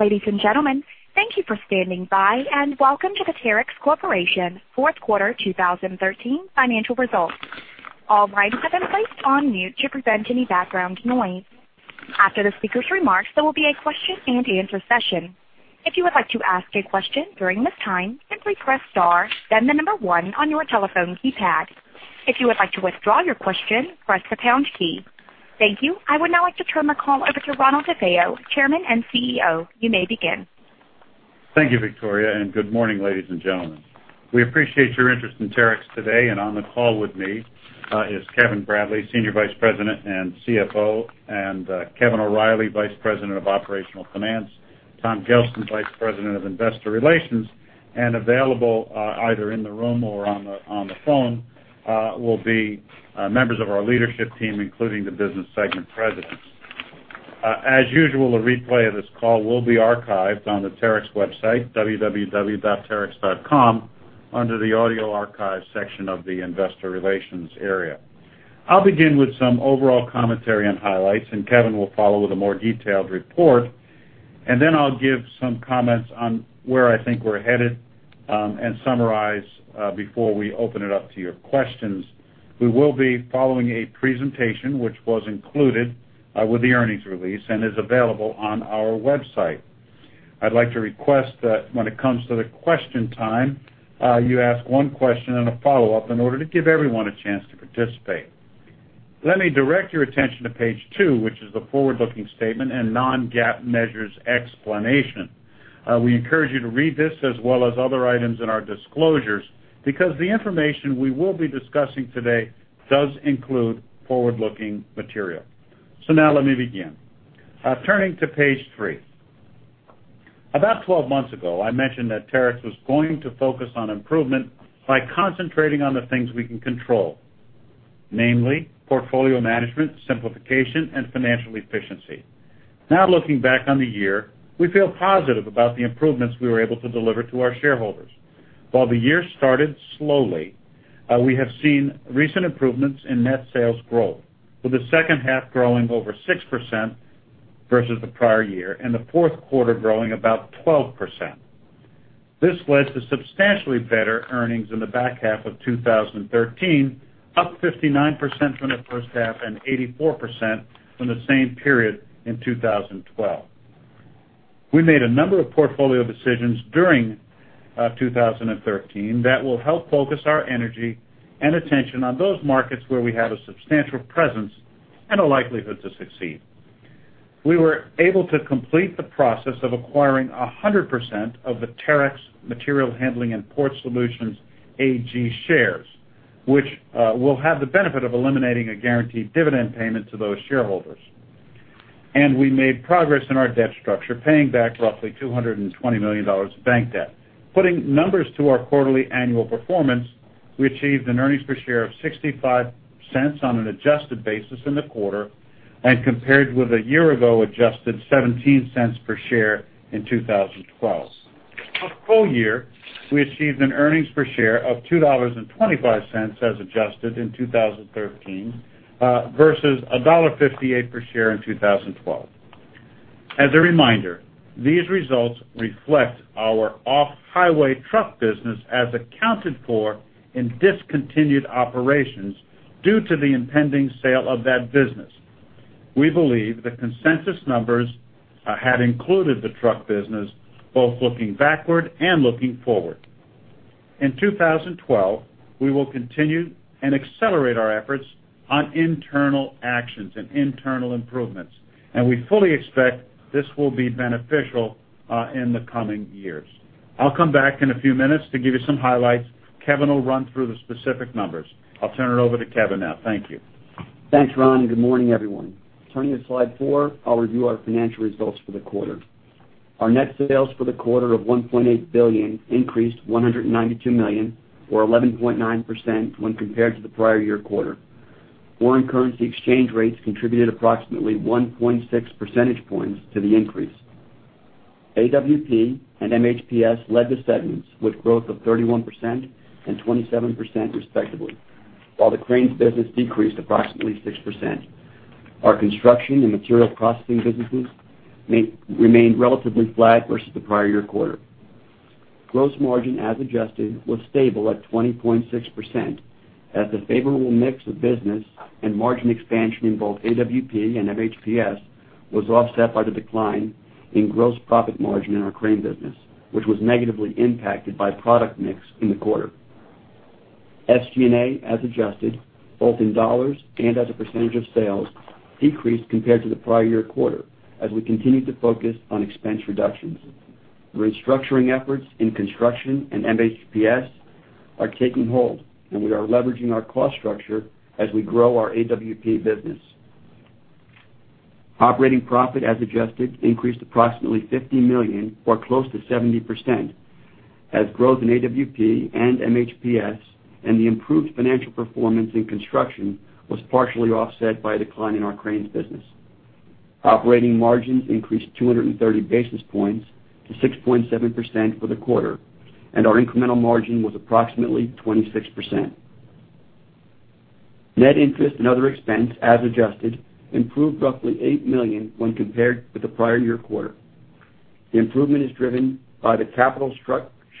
Ladies and gentlemen, thank you for standing by, welcome to the Terex Corporation Fourth Quarter 2013 financial results. All lines have been placed on mute to prevent any background noise. After the speaker's remarks, there will be a question-and-answer session. If you would like to ask a question during this time, simply press star then the number one on your telephone keypad. If you would like to withdraw your question, press the pound key. Thank you. I would now like to turn the call over to Ronald DeFeo, Chairman and CEO. You may begin. Thank you, Victoria, good morning, ladies and gentlemen. We appreciate your interest in Terex today. On the call with me, is Kevin Bradley, Senior Vice President and CFO, Kevin O'Reilly, Vice President of Operational Finance, Tom Gelston, Vice President of Investor Relations, and available either in the room or on the phone will be members of our leadership team, including the business segment presidents. As usual, a replay of this call will be archived on the Terex website, www.terex.com, under the Audio Archive section of the investor relations area. I'll begin with some overall commentary and highlights, Kevin will follow with a more detailed report. Then I'll give some comments on where I think we're headed, and summarize before we open it up to your questions. We will be following a presentation which was included with the earnings release and is available on our website. I'd like to request that when it comes to the question time, you ask one question and a follow-up in order to give everyone a chance to participate. Let me direct your attention to page two, which is the forward-looking statement and non-GAAP measures explanation. We encourage you to read this as well as other items in our disclosures, because the information we will be discussing today does include forward-looking material. Let me begin. Turning to page three. About 12 months ago, I mentioned that Terex was going to focus on improvement by concentrating on the things we can control, namely portfolio management, simplification, and financial efficiency. Looking back on the year, we feel positive about the improvements we were able to deliver to our shareholders. While the year started slowly, we have seen recent improvements in net sales growth, with the second half growing over 6% versus the prior year, and the fourth quarter growing about 12%. This led to substantially better earnings in the back half of 2013, up 59% from the first half and 84% from the same period in 2012. We made a number of portfolio decisions during 2013 that will help focus our energy and attention on those markets where we have a substantial presence and a likelihood to succeed. We were able to complete the process of acquiring 100% of the Terex Material Handling and Port Solutions AG shares, which will have the benefit of eliminating a guaranteed dividend payment to those shareholders. We made progress in our debt structure, paying back roughly $220 million of bank debt. Putting numbers to our quarterly annual performance, we achieved an earnings per share of $0.65 on an adjusted basis in the quarter, and compared with a year ago adjusted $0.17 per share in 2012. For the full year, we achieved an earnings per share of $2.25 as adjusted in 2013, versus $1.58 per share in 2012. As a reminder, these results reflect our off-highway truck business as accounted for in discontinued operations due to the impending sale of that business. We believe the consensus numbers had included the truck business both looking backward and looking forward. In 2012, we will continue and accelerate our efforts on internal actions and internal improvements, and we fully expect this will be beneficial in the coming years. I'll come back in a few minutes to give you some highlights. Kevin will run through the specific numbers. I'll turn it over to Kevin now. Thank you. Thanks, Ron, and good morning, everyone. Turning to slide four, I'll review our financial results for the quarter. Our net sales for the quarter of $1.8 billion increased $192 million, or 11.9% when compared to the prior year quarter. Foreign currency exchange rates contributed approximately 1.6 percentage points to the increase. AWP and MHPS led the segments with growth of 31% and 27% respectively, while the Cranes business decreased approximately 6%. Our Construction and Material Processing businesses remained relatively flat versus the prior year quarter. Gross margin, as adjusted, was stable at 20.6% as the favorable mix of business and margin expansion in both AWP and MHPS was offset by the decline in gross profit margin in our Cranes business, which was negatively impacted by product mix in the quarter. SG&A, as adjusted, both in dollars and as a percentage of sales, decreased compared to the prior year quarter as we continued to focus on expense reductions. Restructuring efforts in Construction and MHPS are taking hold, and we are leveraging our cost structure as we grow our AWP business. Operating profit, as adjusted, increased approximately $50 million or close to 70%, as growth in AWP and MHPS and the improved financial performance in Construction was partially offset by a decline in our Cranes business. Operating margins increased 230 basis points to 6.7% for the quarter, and our incremental margin was approximately 26%. Net interest and other expense, as adjusted, improved roughly $8 million when compared with the prior year quarter. The improvement is driven by the capital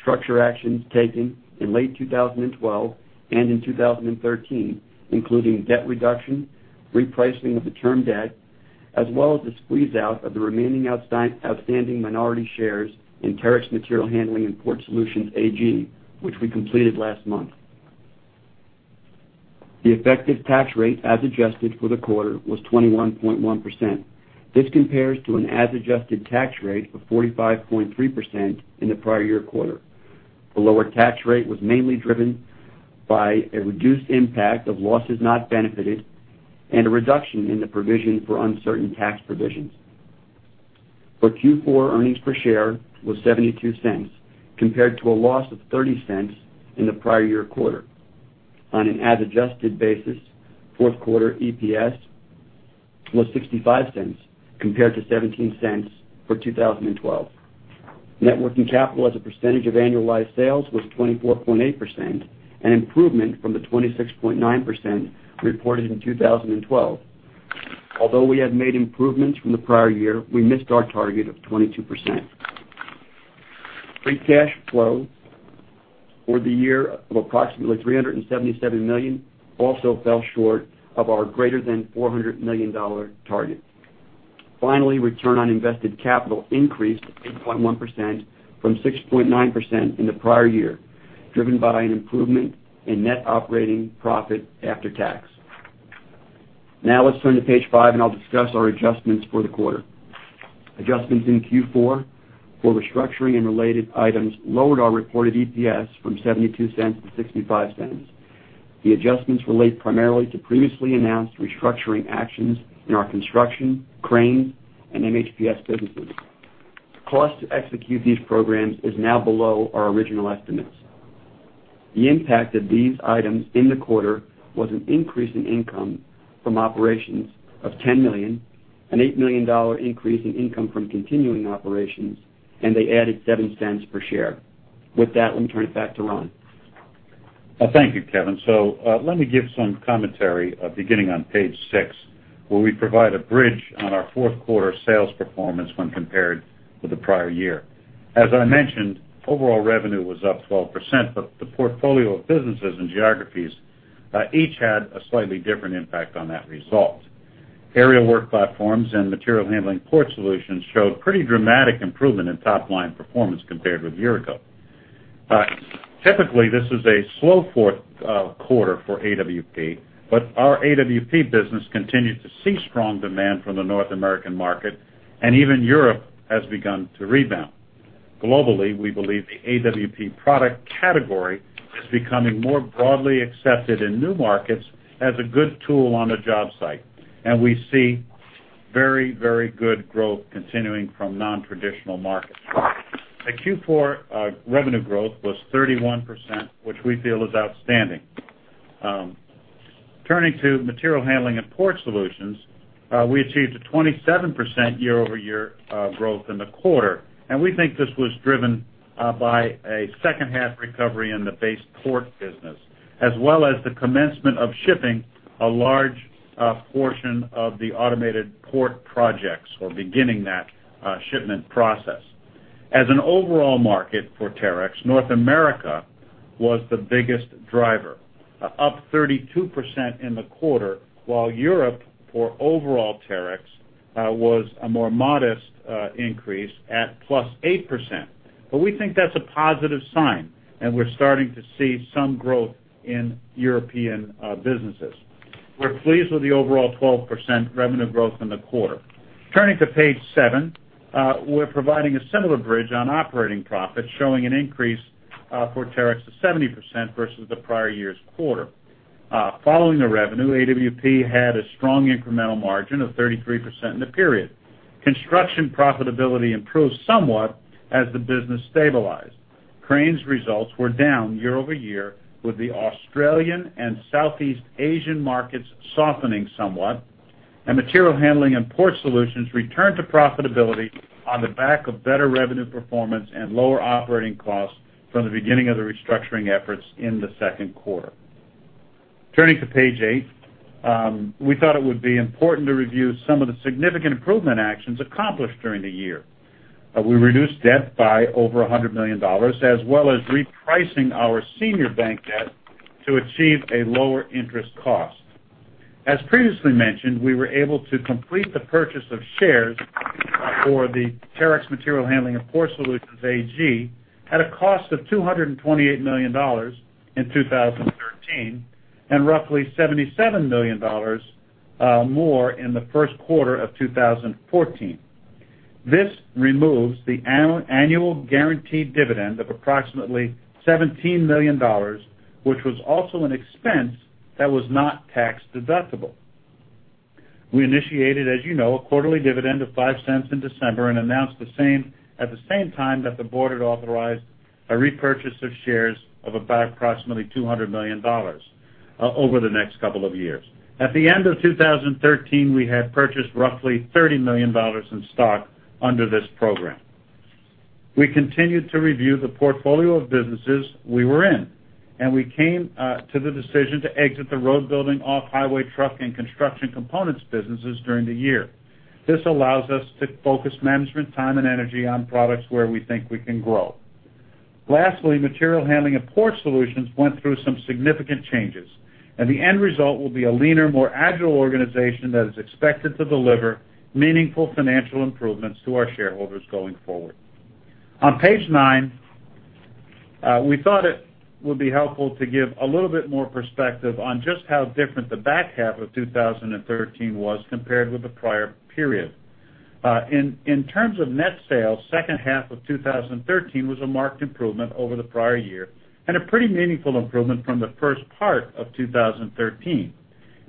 structure actions taken in late 2012 and in 2013, including debt reduction, repricing of the term debt, as well as the squeeze out of the remaining outstanding minority shares in Terex Material Handling and Port Solutions AG, which we completed last month. The effective tax rate, as adjusted for the quarter, was 21.1%. This compares to an as-adjusted tax rate of 45.3% in the prior year quarter. The lower tax rate was mainly driven by a reduced impact of losses not benefited and a reduction in the provision for uncertain tax provisions. For Q4, earnings per share was $0.72, compared to a loss of $0.30 in the prior year quarter. On an as-adjusted basis, fourth quarter EPS was $0.65 compared to $0.17 for 2012. Net working capital as a percentage of annualized sales was 24.8%, an improvement from the 26.9% reported in 2012. Although we have made improvements from the prior year, we missed our target of 22%. Free cash flow for the year of approximately $377 million also fell short of our greater than $400 million target. Finally, return on invested capital increased to 8.1% from 6.9% in the prior year, driven by an improvement in net operating profit after tax. Now let's turn to page five and I'll discuss our adjustments for the quarter. Adjustments in Q4 for restructuring and related items lowered our reported EPS from $0.72 to $0.65. The adjustments relate primarily to previously announced restructuring actions in our Construction, Crane, and MHPS businesses. The cost to execute these programs is now below our original estimates. The impact of these items in the quarter was an increase in income from operations of $10 million, an $8 million increase in income from continuing operations, and they added $0.07 per share. With that, let me turn it back to Ron. Thank you, Kevin. Let me give some commentary, beginning on page six, where we provide a bridge on our fourth quarter sales performance when compared with the prior year. As I mentioned, overall revenue was up 12%, but the portfolio of businesses and geographies, each had a slightly different impact on that result. Aerial Work Platforms and Material Handling & Port Solutions showed pretty dramatic improvement in top-line performance compared with a year ago. Typically, this is a slow fourth quarter for AWP, but our AWP business continued to see strong demand from the North American market, and even Europe has begun to rebound. Globally, we believe the AWP product category is becoming more broadly accepted in new markets as a good tool on a job site. We see very good growth continuing from non-traditional markets. The Q4 revenue growth was 31%, which we feel is outstanding. Turning to Material Handling & Port Solutions, we achieved a 27% year-over-year growth in the quarter, and we think this was driven by a second half recovery in the base port business as well as the commencement of shipping a large portion of the automated port projects or beginning that shipment process. As an overall market for Terex, North America was the biggest driver, up 32% in the quarter, while Europe, for overall Terex, was a more modest increase at +8%. But we think that's a positive sign, and we're starting to see some growth in European businesses. We're pleased with the overall 12% revenue growth in the quarter. Turning to page seven, we're providing a similar bridge on operating profits, showing an increase for Terex to 70% versus the prior year's quarter. Following the revenue, AWP had a strong incremental margin of 33% in the period. Construction profitability improved somewhat as the business stabilized. Cranes results were down year-over-year, with the Australian and Southeast Asian markets softening somewhat. Material Handling & Port Solutions returned to profitability on the back of better revenue performance and lower operating costs from the beginning of the restructuring efforts in the second quarter. Turning to page eight, we thought it would be important to review some of the significant improvement actions accomplished during the year. We reduced debt by over $100 million, as well as repricing our senior bank debt to achieve a lower interest cost. As previously mentioned, we were able to complete the purchase of shares for the Terex Material Handling & Port Solutions AG at a cost of $228 million in 2013 and roughly $77 million more in the first quarter of 2014. This removes the annual guaranteed dividend of approximately $17 million, which was also an expense that was not tax-deductible. We initiated, as you know, a quarterly dividend of $0.05 in December and announced at the same time that the board had authorized a repurchase of shares of about approximately $200 million over the next couple of years. At the end of 2013, we had purchased roughly $30 million in stock under this program. We continued to review the portfolio of businesses we were in, and we came to the decision to exit the road building off-highway truck and construction components businesses during the year. This allows us to focus management time and energy on products where we think we can grow. Lastly, Material Handling & Port Solutions went through some significant changes and the end result will be a leaner, more agile organization that is expected to deliver meaningful financial improvements to our shareholders going forward. On page nine, we thought it would be helpful to give a little bit more perspective on just how different the back half of 2013 was compared with the prior period. In terms of net sales, second half of 2013 was a marked improvement over the prior year and a pretty meaningful improvement from the first part of 2013.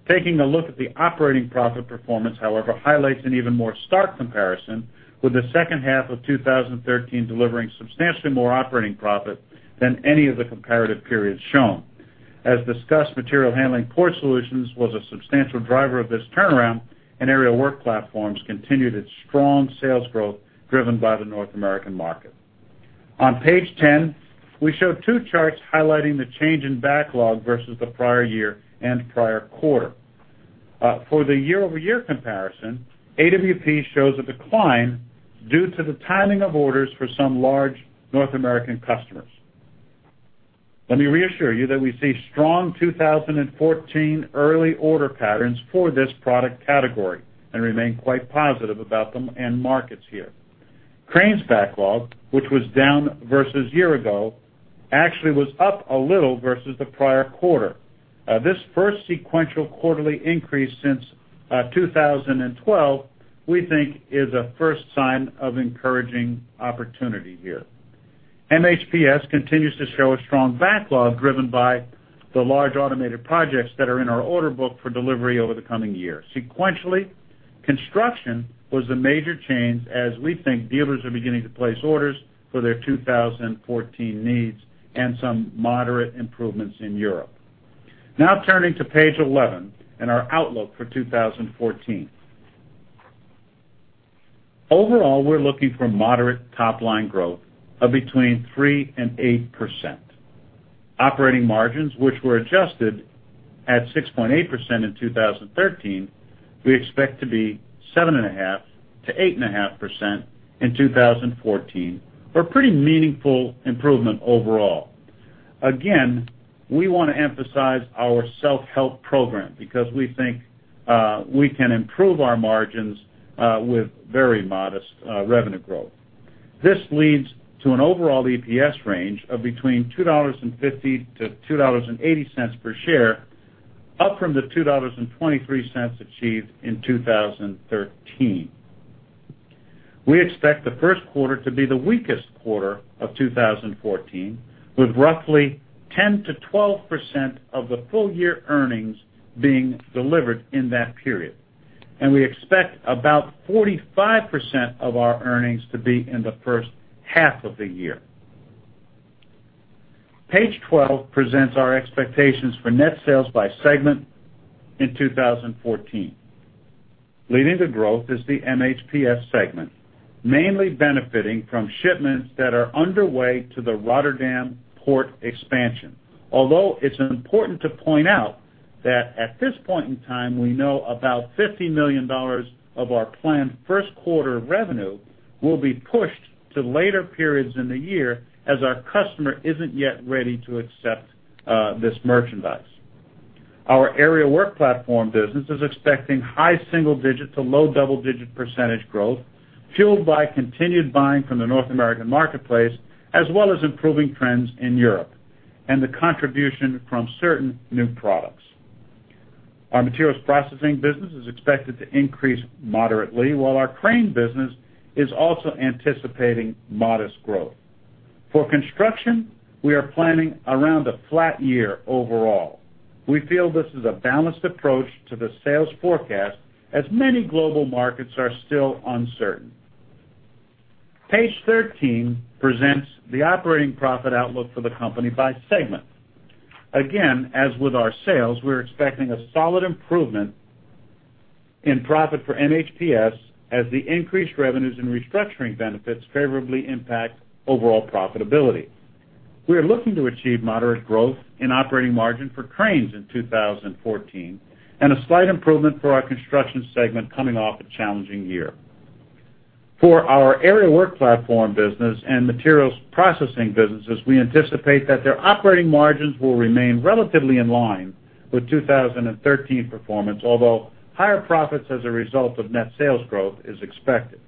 Taking a look at the operating profit performance, however, highlights an even more stark comparison, with the second half of 2013 delivering substantially more operating profit than any of the comparative periods shown. As discussed, Material Handling & Port Solutions was a substantial driver of this turnaround. Aerial Work Platforms continued its strong sales growth, driven by the North American market. On page 10, we show two charts highlighting the change in backlog versus the prior year and prior quarter. For the year-over-year comparison, AWP shows a decline due to the timing of orders for some large North American customers. Let me reassure you that we see strong 2014 early order patterns for this product category and remain quite positive about them and markets here. Cranes backlog, which was down versus year ago, actually was up a little versus the prior quarter. This first sequential quarterly increase since 2012, we think is a first sign of encouraging opportunity here. MHPS continues to show a strong backlog driven by the large automated projects that are in our order book for delivery over the coming year. Sequentially, construction was the major change as we think dealers are beginning to place orders for their 2014 needs and some moderate improvements in Europe. Turning to page 11 and our outlook for 2014. Overall, we're looking for moderate top-line growth of between 3% and 8%. Operating margins, which were adjusted at 6.8% in 2013, we expect to be 7.5%-8.5% in 2014. We're pretty meaningful improvement overall. We want to emphasize our self-help program because we think we can improve our margins with very modest revenue growth. This leads to an overall EPS range of between $2.50-$2.80 per share, up from the $2.25 achieved in 2013. We expect the first quarter to be the weakest quarter of 2014, with roughly 10%-12% of the full year earnings being delivered in that period. We expect about 45% of our earnings to be in the first half of the year. Page 12 presents our expectations for net sales by segment in 2014. Leading to growth is the MHPS segment, mainly benefiting from shipments that are underway to the Rotterdam port expansion. It's important to point out that at this point in time, we know about $50 million of our planned first quarter revenue will be pushed to later periods in the year as our customer isn't yet ready to accept this merchandise. Our Aerial Work Platforms business is expecting high single digit to low double-digit percentage growth, fueled by continued buying from the North American marketplace, as well as improving trends in Europe and the contribution from certain new products. Our Materials Processing business is expected to increase moderately, while our Crane business is also anticipating modest growth. For construction, we are planning around a flat year overall. We feel this is a balanced approach to the sales forecast as many global markets are still uncertain. Page 13 presents the operating profit outlook for the company by segment. As with our sales, we're expecting a solid improvement in profit for MHPS as the increased revenues and restructuring benefits favorably impact overall profitability. We are looking to achieve moderate growth in operating margin for cranes in 2014 and a slight improvement for our construction segment coming off a challenging year. For our Aerial Work Platforms business and Materials Processing businesses, we anticipate that their operating margins will remain relatively in line with 2013 performance, although higher profits as a result of net sales growth is expected.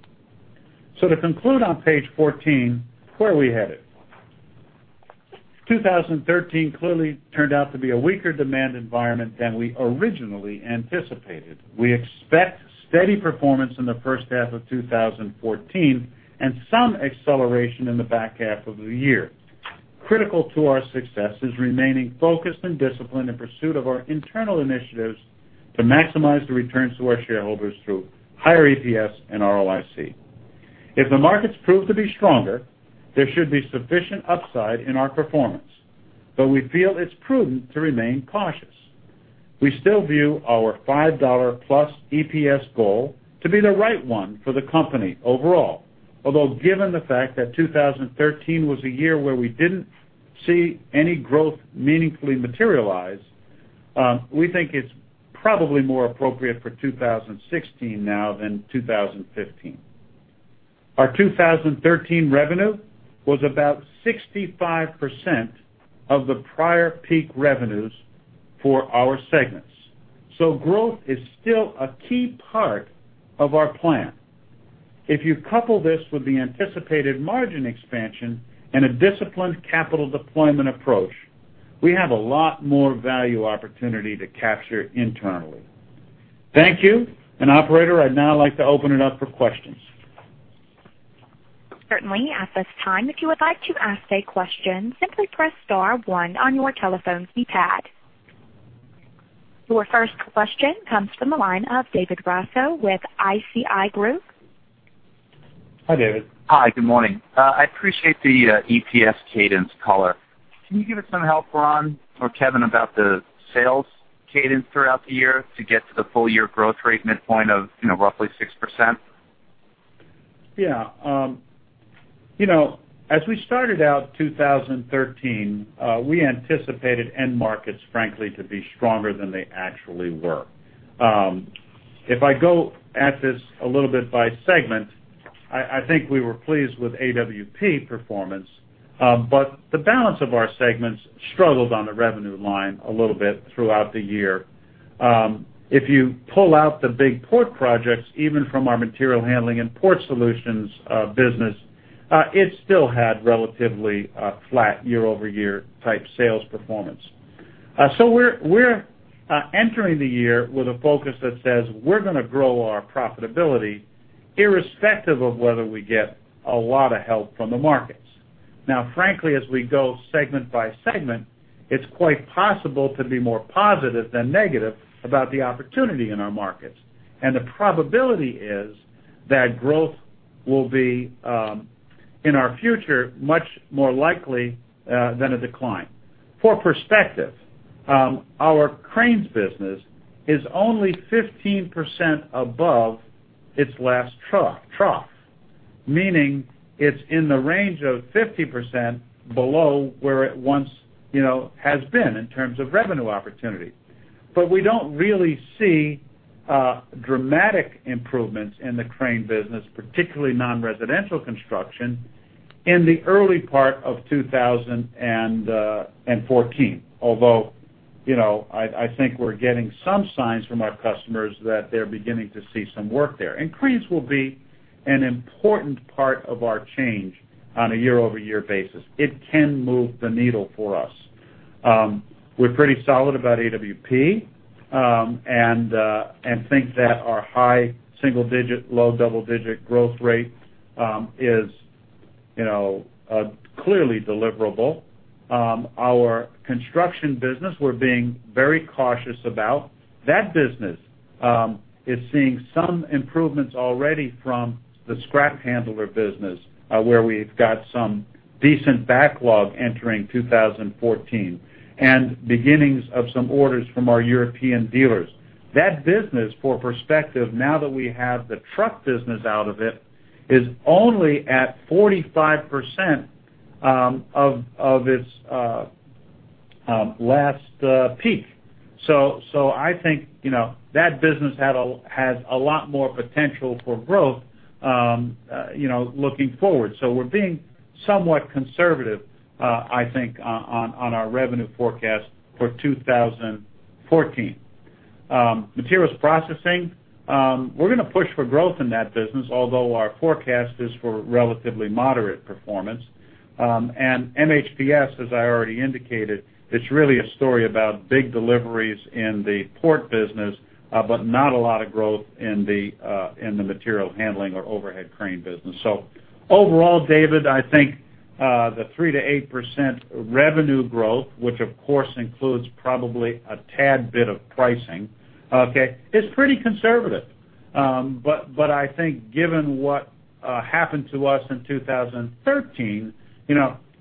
To conclude on page 14, where are we headed? 2013 clearly turned out to be a weaker demand environment than we originally anticipated. We expect steady performance in the first half of 2014 and some acceleration in the back half of the year. Critical to our success is remaining focused and disciplined in pursuit of our internal initiatives to maximize the returns to our shareholders through higher EPS and ROIC. If the markets prove to be stronger, there should be sufficient upside in our performance, but we feel it's prudent to remain cautious. We still view our $5 plus EPS goal to be the right one for the company overall. Given the fact that 2013 was a year where we didn't see any growth meaningfully materialize, we think it's probably more appropriate for 2016 now than 2015. Our 2013 revenue was about 65% of the prior peak revenues for our segments. Growth is still a key part of our plan. If you couple this with the anticipated margin expansion and a disciplined capital deployment approach, we have a lot more value opportunity to capture internally. Thank you. Operator, I'd now like to open it up for questions. Certainly. At this time, if you would like to ask a question, simply press star one on your telephone keypad. Your first question comes from the line of David Raso with ISI Group. Hi, David. Hi. Good morning. I appreciate the EPS cadence color. Can you give us some help, Ron or Kevin, about the sales cadence throughout the year to get to the full-year growth rate midpoint of roughly 6%? Yeah. As we started out 2013, we anticipated end markets, frankly, to be stronger than they actually were. If I go at this a little bit by segment, I think we were pleased with AWP performance. The balance of our segments struggled on the revenue line a little bit throughout the year. If you pull out the big port projects, even from our Material Handling & Port Solutions business, it still had relatively flat year-over-year type sales performance. We're entering the year with a focus that says we're going to grow our profitability irrespective of whether we get a lot of help from the markets. Now, frankly, as we go segment by segment, it's quite possible to be more positive than negative about the opportunity in our markets. The probability is that growth will be, in our future, much more likely than a decline. For perspective, our Cranes business is only 15% above its last trough, meaning it's in the range of 50% below where it once has been in terms of revenue opportunity. We don't really see dramatic improvements in the Cranes business, particularly non-residential construction, in the early part of 2014. Although, I think we're getting some signs from our customers that they're beginning to see some work there. Cranes will be an important part of our change on a year-over-year basis. It can move the needle for us. We're pretty solid about AWP, and think that our high single-digit, low double-digit growth rate is clearly deliverable. Our Construction business, we're being very cautious about. That business is seeing some improvements already from the scrap handler business, where we've got some decent backlog entering 2014 and beginnings of some orders from our European dealers. That business, for perspective, now that we have the truck business out of it, is only at 45% of its last peak. I think that business has a lot more potential for growth looking forward. We're being somewhat conservative, I think, on our revenue forecast for 2014. Materials Processing, we're going to push for growth in that business, although our forecast is for relatively moderate performance. MHPS, as I already indicated, it's really a story about big deliveries in the port business, but not a lot of growth in the Material Handling or overhead Crane business. Overall, David, I think the 3%-8% revenue growth, which, of course, includes probably a tad bit of pricing, okay, is pretty conservative. I think given what happened to us in 2013,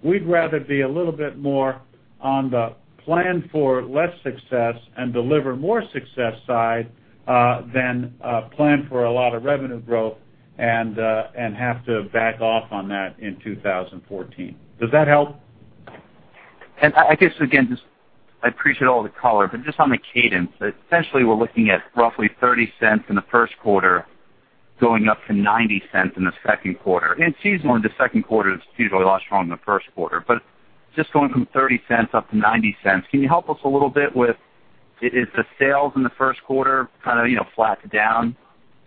we'd rather be a little bit more on the plan for less success and deliver more success side than plan for a lot of revenue growth and have to back off on that in 2014. Does that help? I guess, again, I appreciate all the color, but just on the cadence, essentially, we're looking at roughly $0.30 in the first quarter, going up to $0.90 in the second quarter. Seasonally, the second quarter is usually a lot stronger than the first quarter. Just going from $0.30 up to $0.90, can you help us a little bit with, is the sales in the first quarter kind of flat to down?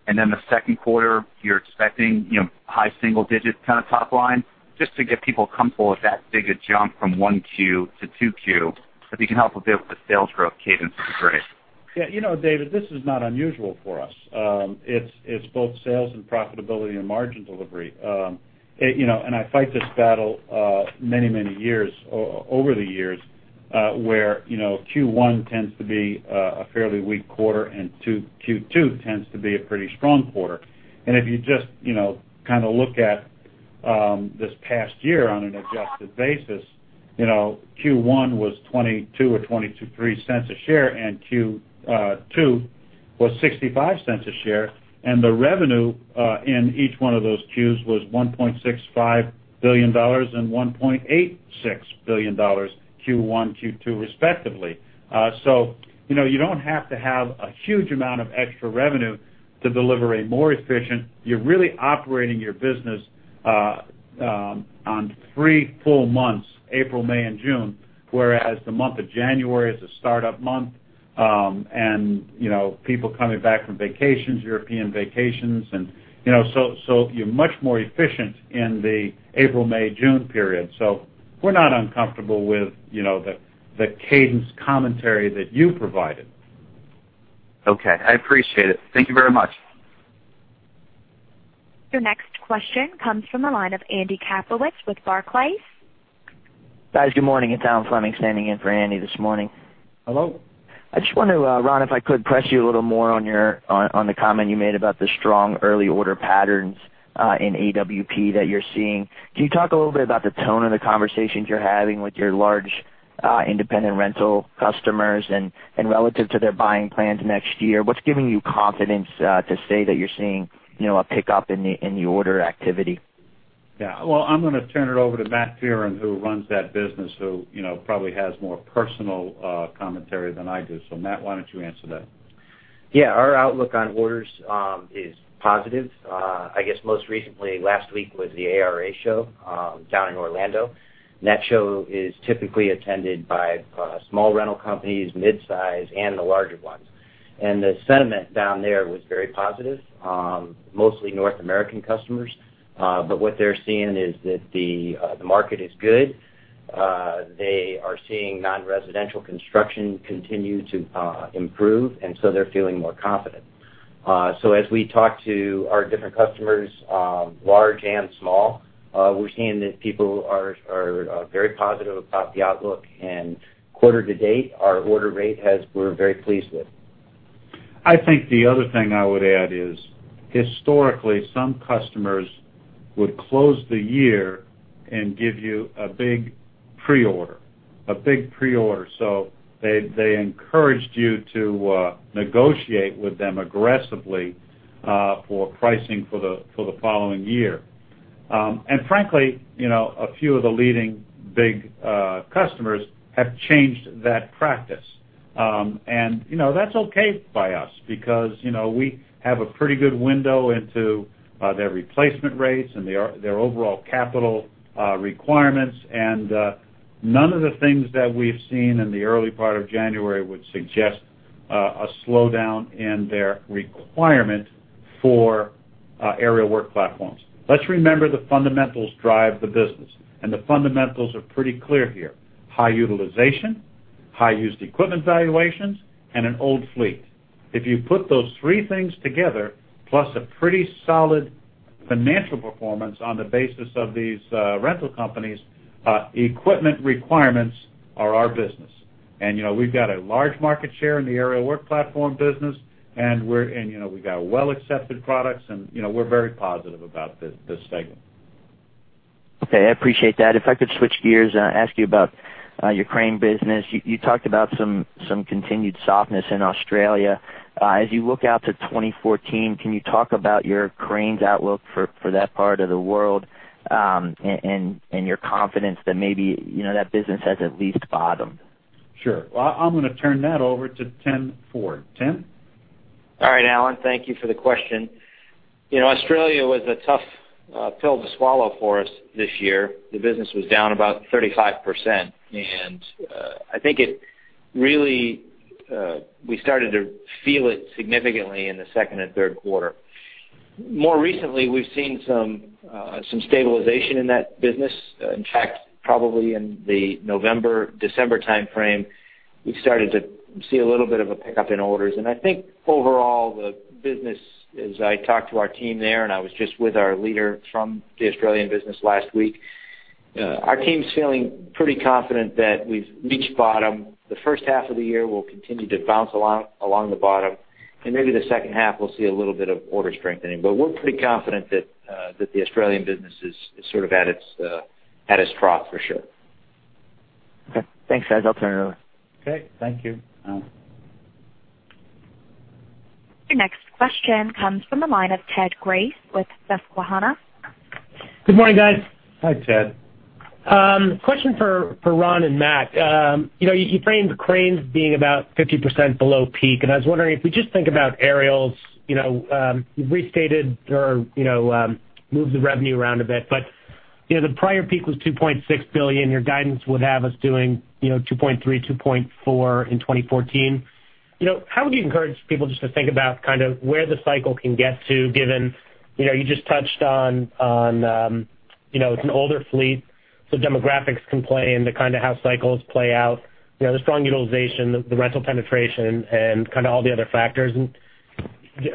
And then the second quarter, you're expecting high single digits kind of top line? Just to get people comfortable with that big a jump from one Q to two Q. If you can help a bit with the sales growth cadence, that'd be great. Yeah. David, this is not unusual for us. It's both sales and profitability and margin delivery. I fight this battle many, many years, over the years, where Q1 tends to be a fairly weak quarter, and Q2 tends to be a pretty strong quarter. If you just kind of look at this past year, on an adjusted basis, Q1 was $0.22 or $0.23 a share, and Q2 was $0.65 a share. The revenue in each one of those Qs was $1.65 billion and $1.86 billion, Q1, Q2, respectively. You don't have to have a huge amount of extra revenue to deliver a more efficient. You're really operating your business on three full months, April, May, and June, whereas the month of January is a startup month, and people coming back from vacations, European vacations. You're much more efficient in the April-May-June period. We're not uncomfortable with the cadence commentary that you provided. Okay. I appreciate it. Thank you very much. Your next question comes from the line of Andy Kaplowitz with Barclays. Guys, good morning. It's Alan Fleming standing in for Andy this morning. Hello. I just wonder, Ron, if I could press you a little more on the comment you made about the strong early order patterns in AWP that you're seeing. Can you talk a little bit about the tone of the conversations you're having with your large independent rental customers, and relative to their buying plans next year, what's giving you confidence to say that you're seeing a pickup in the order activity? Well, I'm going to turn it over to Matt Fearon, who runs that business, who probably has more personal commentary than I do. Matt, why don't you answer that? Our outlook on orders is positive. I guess, most recently, last week was the ARA show down in Orlando. That show is typically attended by small rental companies, mid-size, and the larger ones. The sentiment down there was very positive. Mostly North American customers. What they're seeing is that the market is good. They are seeing non-residential construction continue to improve, they're feeling more confident. As we talk to our different customers, large and small, we're seeing that people are very positive about the outlook. Quarter to date, our order rate, we're very pleased with. I think the other thing I would add is, historically, some customers would close the year and give you a big pre-order. They encouraged you to negotiate with them aggressively for pricing for the following year. Frankly, a few of the leading big customers have changed that practice. That's okay by us because we have a pretty good window into their replacement rates and their overall capital requirements. None of the things that we've seen in the early part of January would suggest a slowdown in their requirement for Aerial Work Platforms. Let's remember the fundamentals drive the business, the fundamentals are pretty clear here. High utilization, high used equipment valuations, and an old fleet. If you put those three things together, plus a pretty solid financial performance on the basis of these rental companies, equipment requirements are our business. We've got a large market share in the Aerial Work Platforms business, we've got well-accepted products, we're very positive about this segment. Okay. I appreciate that. If I could switch gears and ask you about your Crane business. You talked about some continued softness in Australia. As you look out to 2014, can you talk about your cranes outlook for that part of the world, and your confidence that maybe that business has at least bottomed? Sure. Well, I'm going to turn that over to Tim Ford. Tim? All right, Alan, thank you for the question. Australia was a tough pill to swallow for us this year. The business was down about 35%, and I think we started to feel it significantly in the second and third quarter. More recently, we've seen some stabilization in that business. In fact, probably in the November-December timeframe, we've started to see a little bit of a pickup in orders. I think overall, the business, as I talked to our team there, and I was just with our leader from the Australian business last week. Our team's feeling pretty confident that we've reached bottom. The first half of the year will continue to bounce along the bottom, and maybe the second half we'll see a little bit of order strengthening. We're pretty confident that the Australian business is sort of at its trough, for sure. Okay. Thanks, guys. I'll turn it over. Okay. Thank you. Your next question comes from the line of Ted Grace with Susquehanna. Good morning, guys. Hi, Ted. Question for Ron and Matt. You framed cranes being about 50% below peak, I was wondering if we just think about Aerial Work Platforms, restated or moved the revenue around a bit. The prior peak was $2.6 billion. Your guidance would have us doing $2.3 billion, $2.4 billion in 2014. How would you encourage people just to think about where the cycle can get to, given you just touched on it's an older fleet. Demographics can play into how cycles play out. The strong utilization, the rental penetration, and all the other factors.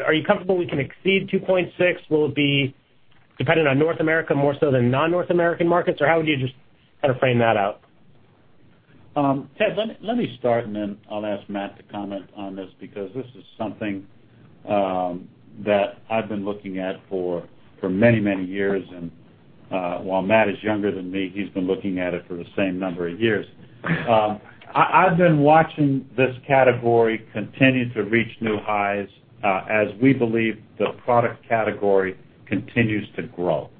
Are you comfortable we can exceed $2.6 billion? Will it be dependent on North America more so than non-North American markets? How would you just frame that out? Ted, let me start, and then I'll ask Matt to comment on this, because this is something that I've been looking at for many years, and while Matt is younger than me, he's been looking at it for the same number of years. I've been watching this category continue to reach new highs as we believe the product category continues to grow.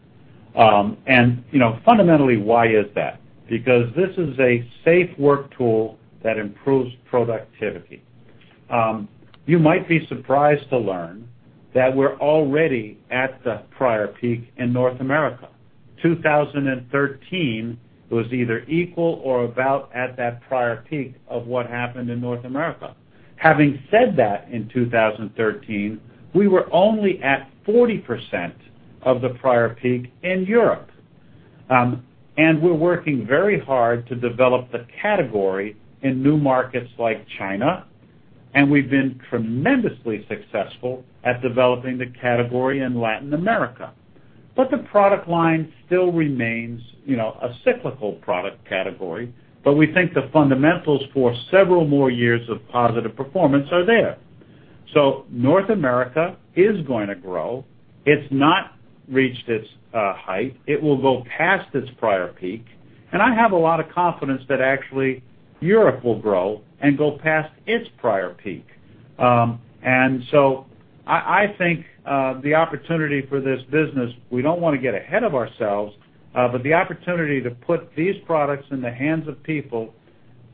Fundamentally, why is that? Because this is a safe work tool that improves productivity. You might be surprised to learn that we're already at the prior peak in North America. 2013 was either equal or about at that prior peak of what happened in North America. Having said that, in 2013, we were only at 40% of the prior peak in Europe. We're working very hard to develop the category in new markets like China, and we've been tremendously successful at developing the category in Latin America. The product line still remains a cyclical product category, but we think the fundamentals for several more years of positive performance are there. North America is going to grow. It's not reached its height. It will go past its prior peak, and I have a lot of confidence that actually Europe will grow and go past its prior peak. I think the opportunity for this business, we don't want to get ahead of ourselves, but the opportunity to put these products in the hands of people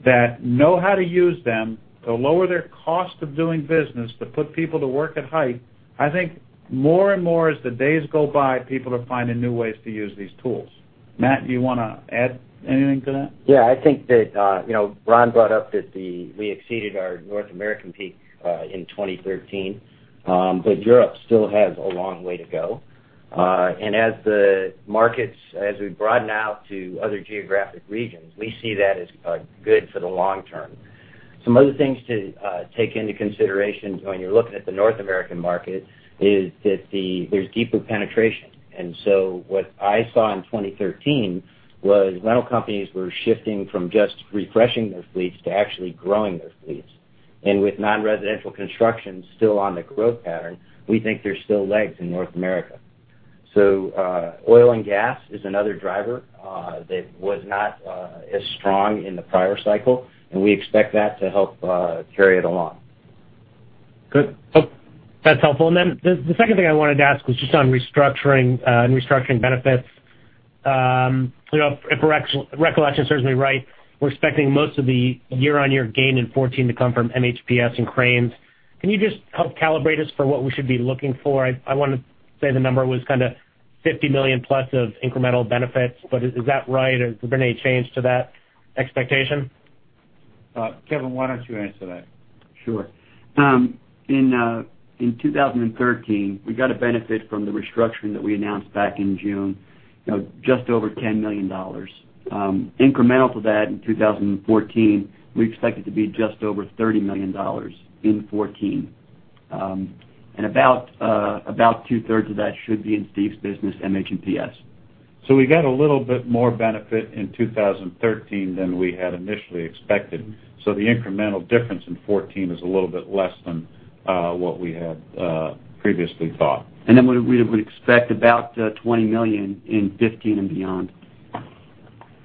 that know how to use them, to lower their cost of doing business, to put people to work at height, I think more and more, as the days go by, people are finding new ways to use these tools. Matt, do you want to add anything to that? I think that Ron brought up that we exceeded our North American peak in 2013. Europe still has a long way to go. As the markets, as we broaden out to other geographic regions, we see that as good for the long term. Some other things to take into consideration when you're looking at the North American market is that there's deeper penetration. What I saw in 2013 was rental companies were shifting from just refreshing their fleets to actually growing their fleets. With non-residential construction still on the growth pattern, we think there's still legs in North America. Oil and gas is another driver that was not as strong in the prior cycle, and we expect that to help carry it along. Good. Hope that's helpful. The second thing I wanted to ask was just on restructuring and restructuring benefits. If recollection serves me right, we're expecting most of the year-on-year gain in 2014 to come from MHPS and Cranes. Can you just help calibrate us for what we should be looking for? I want to say the number was kind of $50 million-plus of incremental benefits, is that right, or has there been any change to that expectation? Kevin, why don't you answer that? Sure. In 2013, we got a benefit from the restructuring that we announced back in June, just over $10 million. Incremental to that in 2014, we expect it to be just over $30 million in 2014. About two-thirds of that should be in Steve's business, MHPS. We got a little bit more benefit in 2013 than we had initially expected. The incremental difference in 2014 is a little bit less than what we had previously thought. We would expect about $20 million in 2015 and beyond.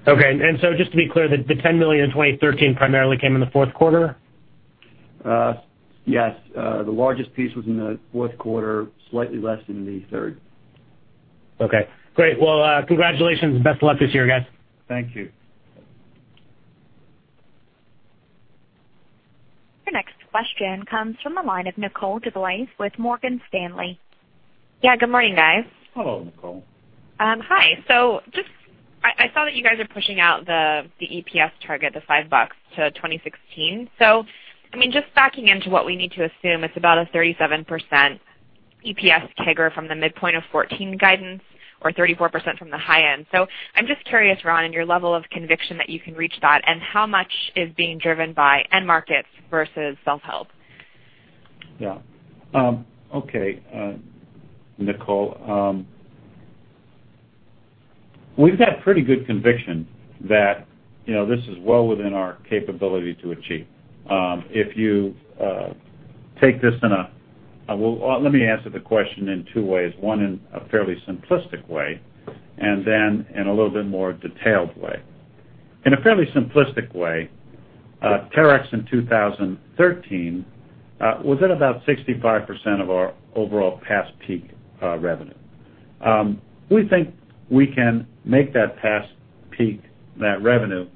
Okay. Just to be clear, the $10 million in 2013 primarily came in the fourth quarter? Yes. The largest piece was in the fourth quarter, slightly less than the third. Okay, great. Well, congratulations and best of luck this year, guys. Thank you. Your next question comes from the line of Nicole with Morgan Stanley. Yeah, good morning, guys. Hello, Nicole. Hi. Just, I saw that you guys are pushing out the EPS target, the $5 to 2016. Just backing into what we need to assume, it's about a 37% EPS CAGR from the midpoint of 2014 guidance or 34% from the high end. I'm just curious, Ron, in your level of conviction that you can reach that and how much is being driven by end markets versus self-help. Okay, Nicole. We've got pretty good conviction that this is well within our capability to achieve. If you take this in a, let me answer the question in two ways. One, in a fairly simplistic way, and then in a little bit more detailed way. In a fairly simplistic way, Terex in 2013 was at about 65% of our overall past peak revenue. We think we can make that past peak, that revenue,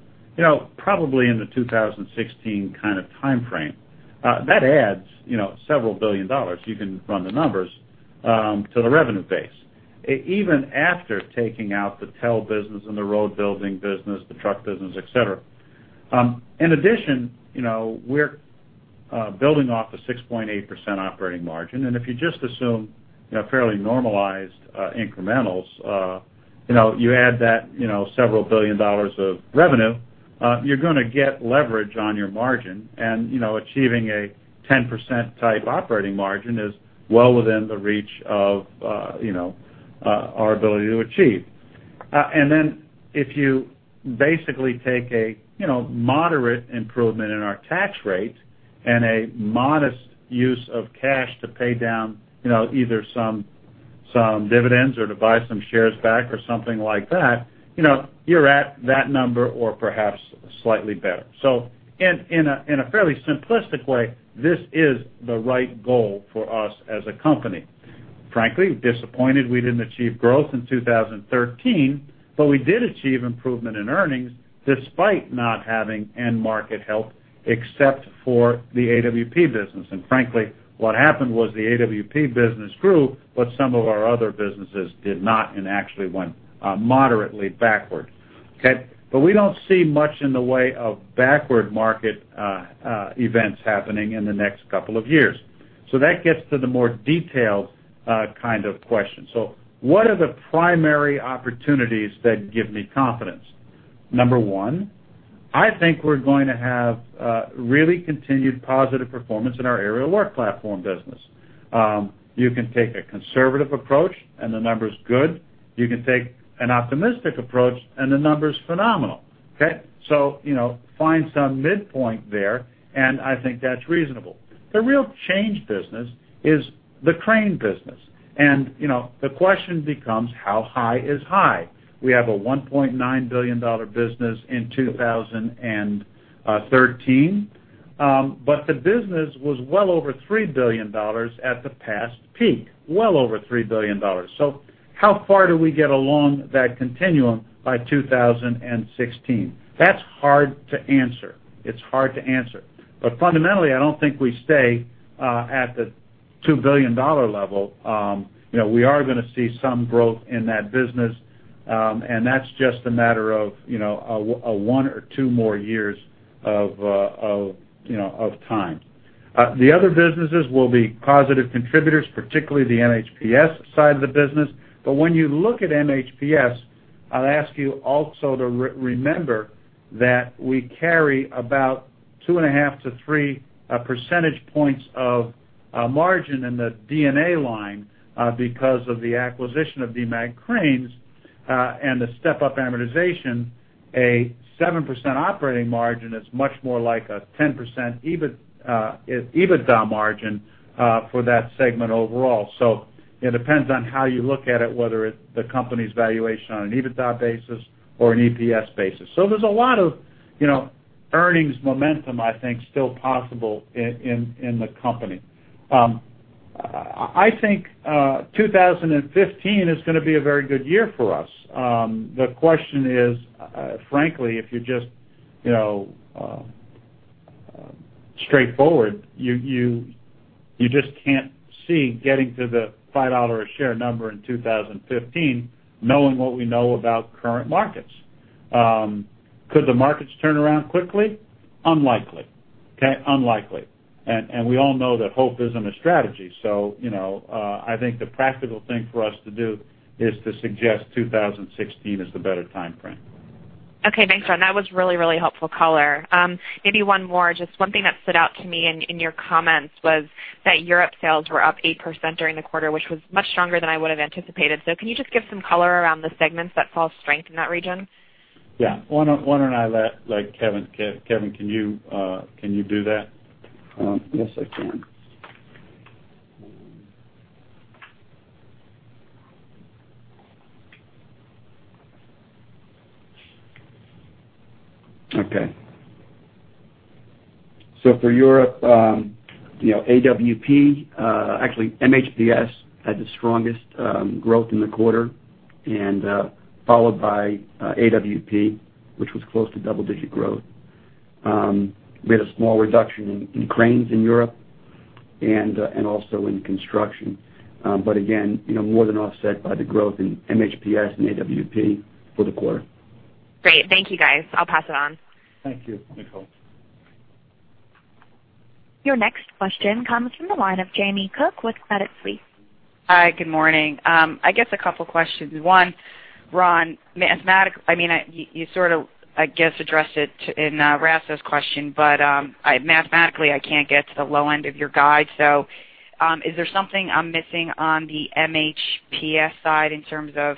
probably in the 2016 kind of timeframe. That adds several billion dollars, you can run the numbers, to the revenue base, even after taking out the [TEL business] and the road building business, the truck business, et cetera. In addition, we're building off a 6.8% operating margin, and if you just assume fairly normalized incrementals, you add that several billion dollars of revenue, you're going to get leverage on your margin, and achieving a 10%-type operating margin is well within the reach of our ability to achieve. Then if you basically take a moderate improvement in our tax rate and a modest use of cash to pay down either some dividends or to buy some shares back or something like that, you're at that number or perhaps slightly better. In a fairly simplistic way, this is the right goal for us as a company. Frankly, disappointed we didn't achieve growth in 2013, but we did achieve improvement in earnings despite not having end market help except for the AWP business. Frankly, what happened was the AWP business grew, but some of our other businesses did not and actually went moderately backward. Okay. We don't see much in the way of backward market events happening in the next couple of years. That gets to the more detailed kind of question. What are the primary opportunities that give me confidence? Number one, I think we're going to have really continued positive performance in our Aerial Work Platforms business. You can take a conservative approach, and the number's good. You can take an optimistic approach, and the number's phenomenal. Okay. Find some midpoint there, and I think that's reasonable. The real change business is the Crane business. The question becomes how high is high? We have a $1.9 billion business in 2013. The business was well over $3 billion at the past peak. Well over $3 billion. How far do we get along that continuum by 2016? That's hard to answer. It's hard to answer. Fundamentally, I don't think we stay at the $2 billion level. We are going to see some growth in that business, and that's just a matter of a one or two more years of time. The other businesses will be positive contributors, particularly the MHPS side of the business. When you look at MHPS, I'll ask you also to remember that we carry about two and a half to three percentage points of margin in the D&A line because of the acquisition of Demag Cranes, and the step-up amortization, a 7% operating margin is much more like a 10% EBITDA margin for that segment overall. It depends on how you look at it, whether the company's valuation on an EBITDA basis or an EPS basis. There's a lot of earnings momentum, I think, still possible in the company. I think 2015 is going to be a very good year for us. The question is, frankly, if you're just straightforward, you just can't see getting to the $5 a share number in 2015, knowing what we know about current markets. Could the markets turn around quickly? Unlikely, okay. Unlikely. We all know that hope isn't a strategy. I think the practical thing for us to do is to suggest 2016 is the better timeframe. Okay, thanks, Ron. That was really helpful color. Maybe one more. Just one thing that stood out to me in your comments was that Europe sales were up 8% during the quarter, which was much stronger than I would've anticipated. Can you just give some color around the segments that saw strength in that region? Yeah. Why don't I let Kevin, can you do that? Yes, I can. Okay. For Europe, AWP, actually MHPS had the strongest growth in the quarter, and followed by AWP, which was close to double-digit growth. We had a small reduction in cranes in Europe and also in construction. Again, more than offset by the growth in MHPS and AWP for the quarter. Great. Thank you, guys. I'll pass it on. Thank you, Nicole. Your next question comes from the line of Jamie Cook with Credit Suisse. Hi, good morning. I guess a couple questions. One, Ron, you sort of, I guess, addressed it in Raso's question, mathematically, I can't get to the low end of your guide. Is there something I'm missing on the MHPS side in terms of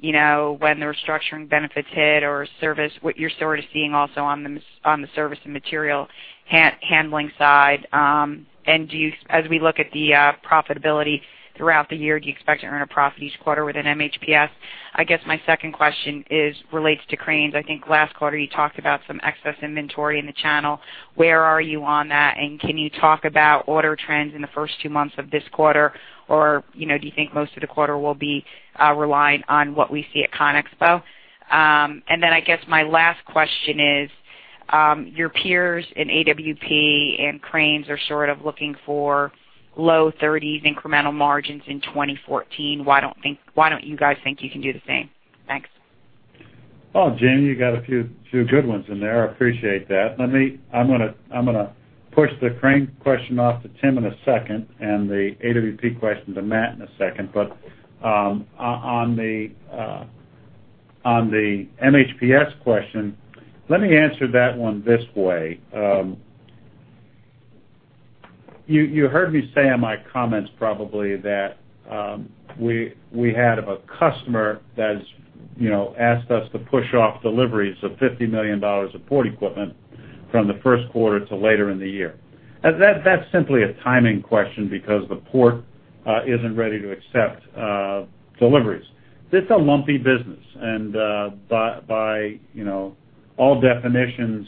when the restructuring benefits hit or service, what you're sort of seeing also on the service and material handling side? As we look at the profitability throughout the year, do you expect to earn a profit each quarter within MHPS? I guess my second question relates to cranes. I think last quarter you talked about some excess inventory in the channel. Where are you on that, and can you talk about order trends in the first two months of this quarter? Do you think most of the quarter will be reliant on what we see at CONEXPO? I guess my last question is, your peers in AWP and cranes are sort of looking for low 30s incremental margins in 2014. Why don't you guys think you can do the same? Thanks. Well, Jamie, you got a few good ones in there. I appreciate that. I'm going to push the crane question off to Tim in a second, and the AWP question to Matt in a second. On the MHPS question, let me answer that one this way. You heard me say in my comments probably that we had a customer that's asked us to push off deliveries of $50 million of port equipment from the first quarter to later in the year. That's simply a timing question because the port isn't ready to accept deliveries. It's a lumpy business, and by all definitions,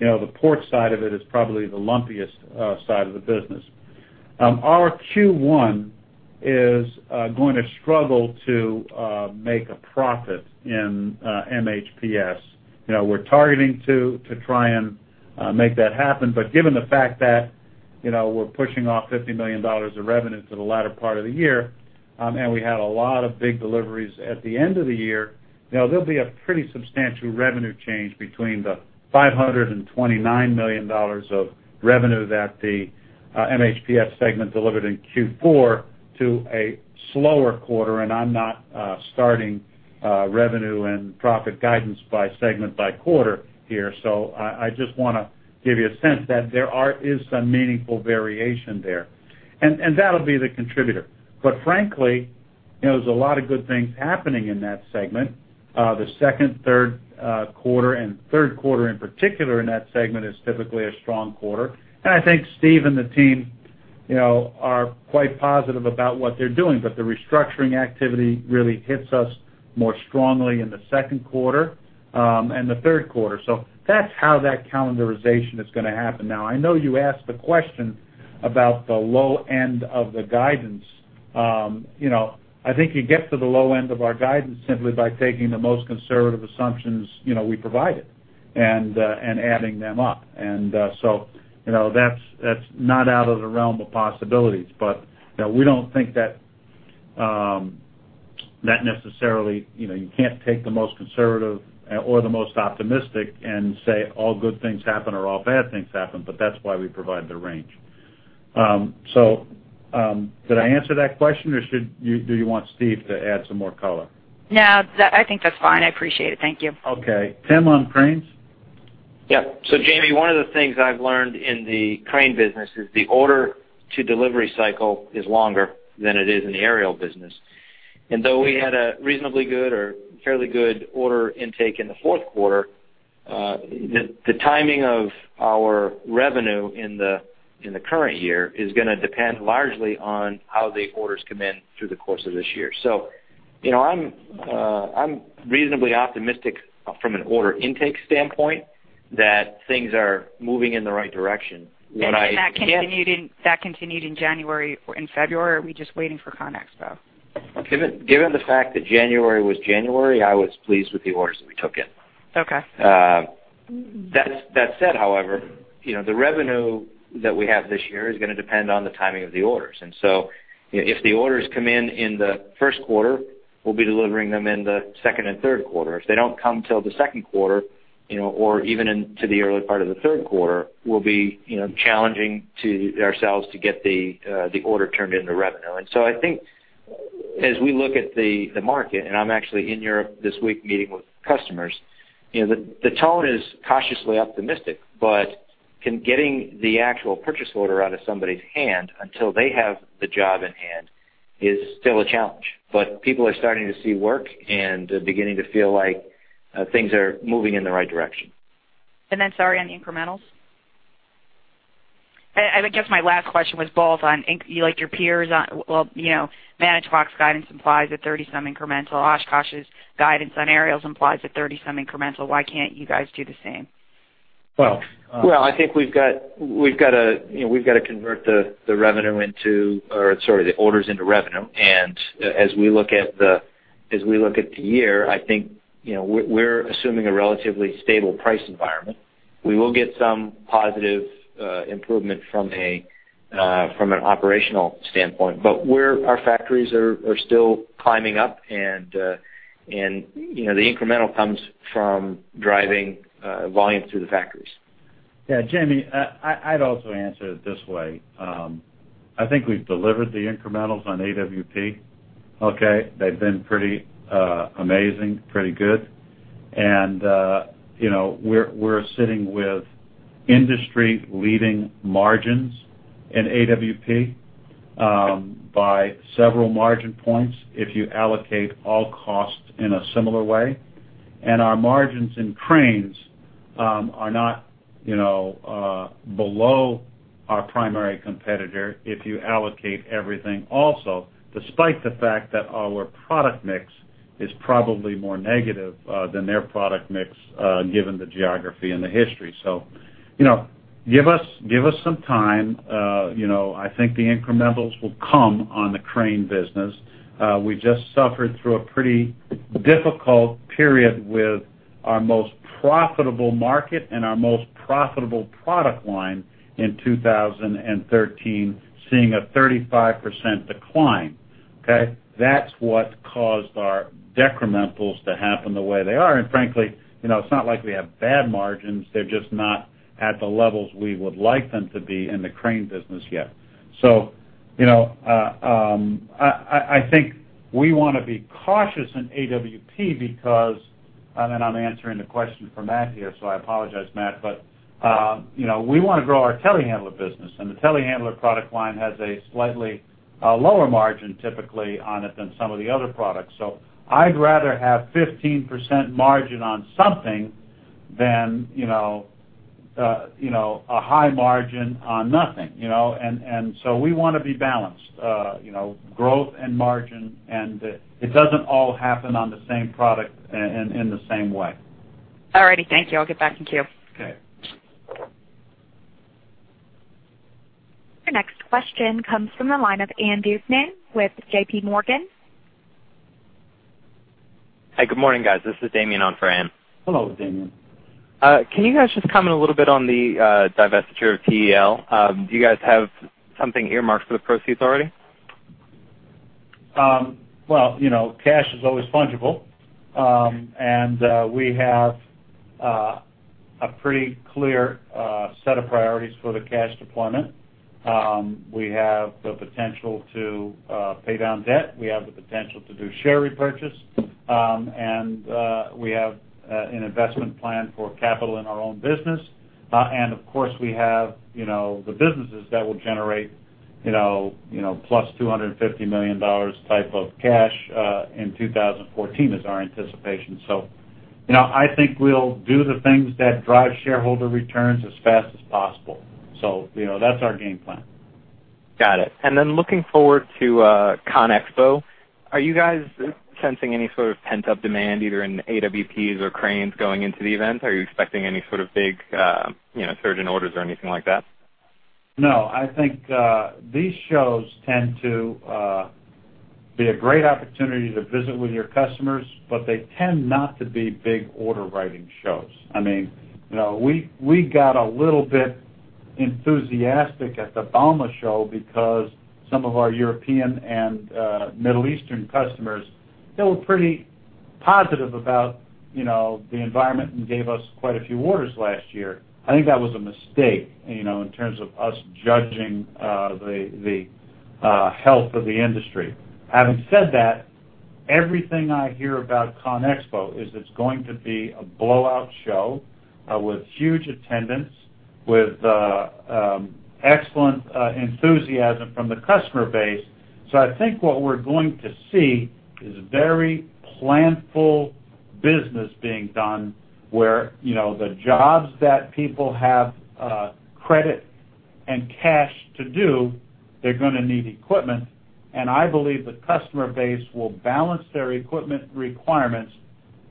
the port side of it is probably the lumpiest side of the business. Our Q1 is going to struggle to make a profit in MHPS. Given the fact that we're pushing off $50 million of revenue to the latter part of the year, and we had a lot of big deliveries at the end of the year, there'll be a pretty substantial revenue change between the $529 million of revenue that the MHPS segment delivered in Q4 to a slower quarter, and I'm not starting revenue and profit guidance by segment by quarter here. I just want to give you a sense that there is some meaningful variation there, and that'll be the contributor. Frankly, there's a lot of good things happening in that segment. The second, third quarter, and third quarter in particular in that segment is typically a strong quarter. I think Steve and the team are quite positive about what they're doing. The restructuring activity really hits us more strongly in the second quarter and the third quarter. That's how that calendarization is going to happen. Now, I know you asked the question about the low end of the guidance. I think you get to the low end of our guidance simply by taking the most conservative assumptions we provided and adding them up. That's not out of the realm of possibilities, but we don't think that necessarily, you can't take the most conservative or the most optimistic and say all good things happen or all bad things happen, but that's why we provide the range. Did I answer that question, or do you want Steve to add some more color? No, I think that's fine. I appreciate it. Thank you. Okay. Tim on cranes? Yep. Jamie, one of the things I've learned in the Crane business is the order to delivery cycle is longer than it is in the aerial business. Though we had a reasonably good or fairly good order intake in the fourth quarter, the timing of our revenue in the current year is going to depend largely on how the orders come in through the course of this year. I'm reasonably optimistic from an order intake standpoint that things are moving in the right direction. That continued in January or in February? Or are we just waiting for CONEXPO? Given the fact that January was January, I was pleased with the orders that we took in. Okay. That said, however, the revenue that we have this year is going to depend on the timing of the orders. If the orders come in in the first quarter, we'll be delivering them in the second and third quarter. If they don't come till the second quarter or even into the early part of the third quarter, we'll be challenging ourselves to get the order turned into revenue. I think as we look at the market, and I'm actually in Europe this week meeting with customers, the tone is cautiously optimistic, but getting the actual purchase order out of somebody's hand until they have the job in hand is still a challenge. People are starting to see work and beginning to feel like things are moving in the right direction. Sorry, on the incrementals? I guess my last question was both on, like your peers on, well, Manitowoc's guidance implies a 30-some incremental. Oshkosh's guidance on aerials implies a 30-some incremental. Why can't you guys do the same? Well- I think we've got to convert the revenue into, or sorry, the orders into revenue. As we look at the year, I think we're assuming a relatively stable price environment. We will get some positive improvement from an operational standpoint. Our factories are still climbing up, the incremental comes from driving volume through the factories. Yeah, Jamie, I'd also answer it this way. I think we've delivered the incrementals on AWP. Okay. They've been pretty amazing, pretty good. We're sitting with industry-leading margins in AWP by several margin points if you allocate all costs in a similar way. Our margins in cranes are not below our primary competitor if you allocate everything also, despite the fact that our product mix is probably more negative than their product mix given the geography and the history. Give us some time. I think the incrementals will come on the Crane business. We just suffered through a pretty difficult period with our most profitable market and our most profitable product line in 2013, seeing a 35% decline. Okay? That's what caused our decrementals to happen the way they are. Frankly, it's not like we have bad margins. They're just not at the levels we would like them to be in the Crane business yet. I think we want to be cautious in AWP. I'm answering the question from Matt here, so I apologize, Matt. We want to grow our telehandler business, the telehandler product line has a slightly lower margin typically on it than some of the other products. I'd rather have 15% margin on something than a high margin on nothing. We want to be balanced, growth and margin, it doesn't all happen on the same product in the same way. All righty. Thank you. I'll get back in queue. Okay. Your next question comes from the line of Ann Duignan with JPMorgan. Hi, good morning, guys. This is Damien on for Ann. Hello, Damien. Can you guys just comment a little bit on the divestiture of TEL? Do you guys have something earmarked for the proceeds already? Well, cash is always fungible. We have a pretty clear set of priorities for the cash deployment. We have the potential to pay down debt. We have the potential to do share repurchase. We have an investment plan for capital in our own business. Of course, we have the businesses that will generate plus $250 million type of cash in 2014 is our anticipation. I think we'll do the things that drive shareholder returns as fast as possible. That's our game plan. Got it. Looking forward to CONEXPO, are you guys sensing any sort of pent-up demand either in AWP or cranes going into the event? Are you expecting any sort of big surge in orders or anything like that? No. I think these shows tend to be a great opportunity to visit with your customers, they tend not to be big order-writing shows. We got a little bit enthusiastic at the bauma show because some of our European and Middle Eastern customers, they were pretty positive about the environment and gave us quite a few orders last year. I think that was a mistake, in terms of us judging the health of the industry. Having said that, everything I hear about CONEXPO is it's going to be a blowout show with huge attendance, with excellent enthusiasm from the customer base. I think what we're going to see is very planful business being done where the jobs that people have credit and cash to do, they're going to need equipment, and I believe the customer base will balance their equipment requirements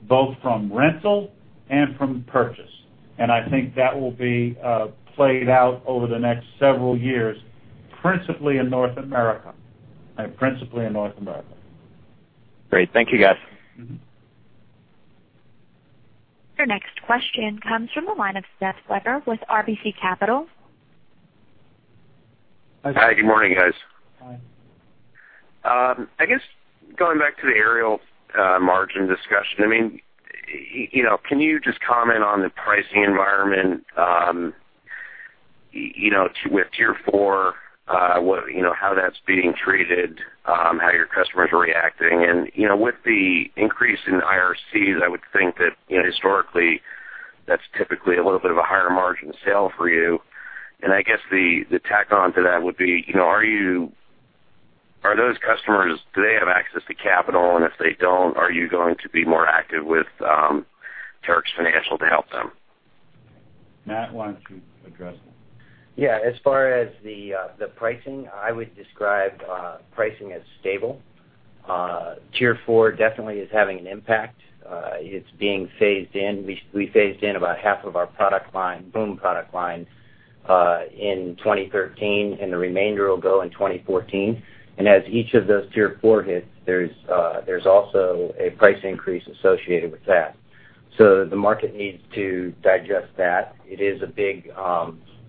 both from rental and from purchase. I think that will be played out over the next several years, principally in North America. Great. Thank you, guys. Your next question comes from the line of Seth Weber with RBC Capital Markets. Hi, good morning, guys. Hi. I guess going back to the aerial margin discussion, can you just comment on the pricing environment with Tier 4, how that's being treated, how your customers are reacting? With the increase in IRCs, I would think that historically, that's typically a little bit of a higher margin sale for you. I guess the tack on to that would be, are those customers, do they have access to capital? If they don't, are you going to be more active with Terex Financial to help them? Matt, why don't you address that? Yeah. As far as the pricing, I would describe pricing as stable. Tier 4 definitely is having an impact. It's being phased in. We phased in about half of our boom product line in 2013, and the remainder will go in 2014. As each of those Tier 4 hits, there's also a price increase associated with that. The market needs to digest that.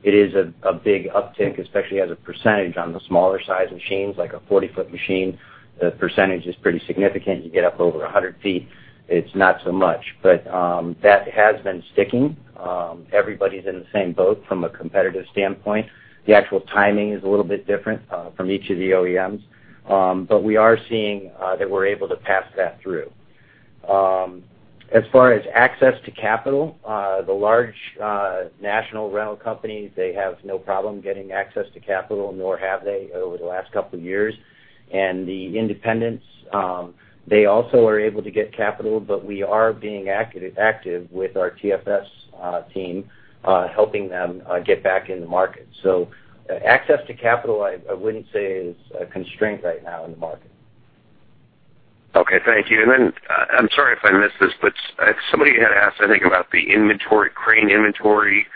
It is a big uptick, especially as a percentage on the smaller size machines, like a 40-foot machine. The percentage is pretty significant. You get up over 100 feet, it's not so much. That has been sticking. Everybody's in the same boat from a competitive standpoint. The actual timing is a little bit different from each of the OEMs. We are seeing that we're able to pass that through. As far as access to capital, the large national rental companies, they have no problem getting access to capital, nor have they over the last couple of years. The independents, they also are able to get capital, but we are being active with our TFS team, helping them get back in the market. Access to capital, I wouldn't say is a constraint right now in the market. Okay. Thank you. I'm sorry if I missed this, somebody had asked, I think, about the crane inventory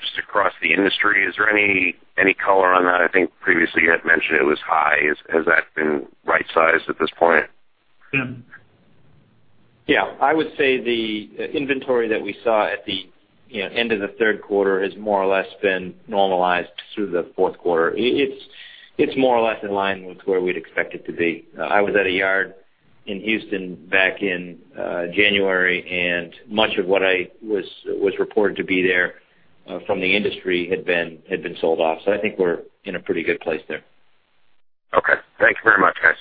just across the industry. Is there any color on that? I think previously you had mentioned it was high. Has that been right-sized at this point? Yeah. I would say the inventory that we saw at the end of the third quarter has more or less been normalized through the fourth quarter. It's more or less in line with where we'd expect it to be. I was at a yard in Houston back in January, much of what was reported to be there from the industry had been sold off. I think we're in a pretty good place there. Okay. Thank you very much, guys.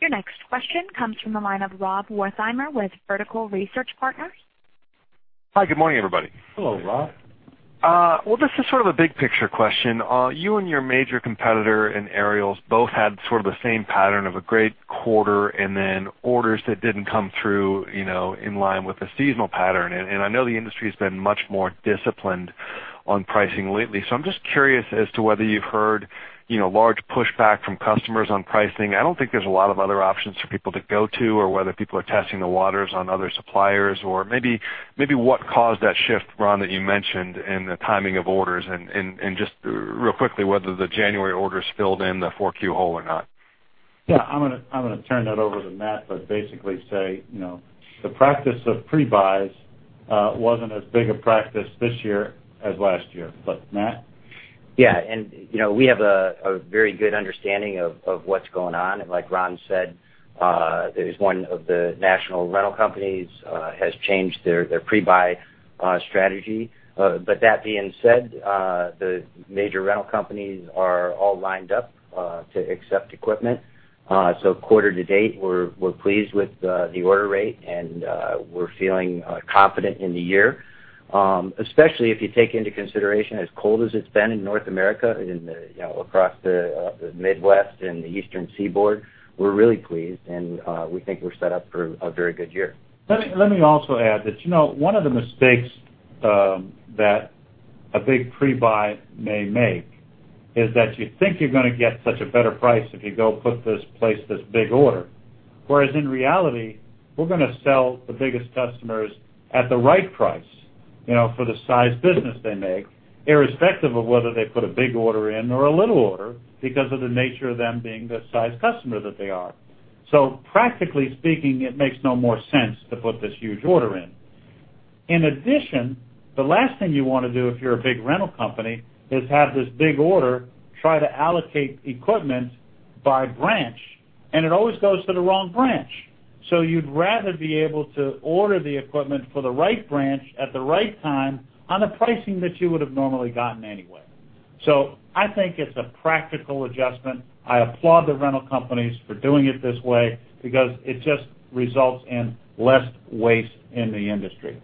Your next question comes from the line of Rob Wertheimer with Vertical Research Partners. Hi. Good morning, everybody. Hello, Rob. This is sort of a big picture question. You and your major competitor in aerials both had sort of the same pattern of a great quarter and then orders that didn't come through in line with the seasonal pattern. I know the industry's been much more disciplined on pricing lately. I'm just curious as to whether you've heard large pushback from customers on pricing. I don't think there's a lot of other options for people to go to, or whether people are testing the waters on other suppliers, or maybe what caused that shift, Ron, that you mentioned in the timing of orders and, just real quickly, whether the January orders filled in the 4Q hole or not. Yeah. I'm going to turn that over to Matt, basically say, the practice of pre-buys wasn't as big a practice this year as last year. Matt? We have a very good understanding of what's going on. Like Ron said, there's one of the national rental companies has changed their pre-buy strategy. That being said, the major rental companies are all lined up to accept equipment. Quarter to date, we're pleased with the order rate, and we're feeling confident in the year. Especially if you take into consideration as cold as it's been in North America, across the Midwest and the Eastern Seaboard. We're really pleased, and we think we're set up for a very good year. Let me also add that one of the mistakes that a big pre-buy may make is that you think you're going to get such a better price if you go put this big order. Whereas in reality, we're going to sell the biggest customers at the right price for the size business they make, irrespective of whether they put a big order in or a little order because of the nature of them being the size customer that they are. Practically speaking, it makes no more sense to put this huge order in. In addition, the last thing you want to do if you're a big rental company is have this big order, try to allocate equipment by branch, and it always goes to the wrong branch. You'd rather be able to order the equipment for the right branch at the right time on the pricing that you would've normally gotten anyway. I think it's a practical adjustment. I applaud the rental companies for doing it this way because it just results in less waste in the industry.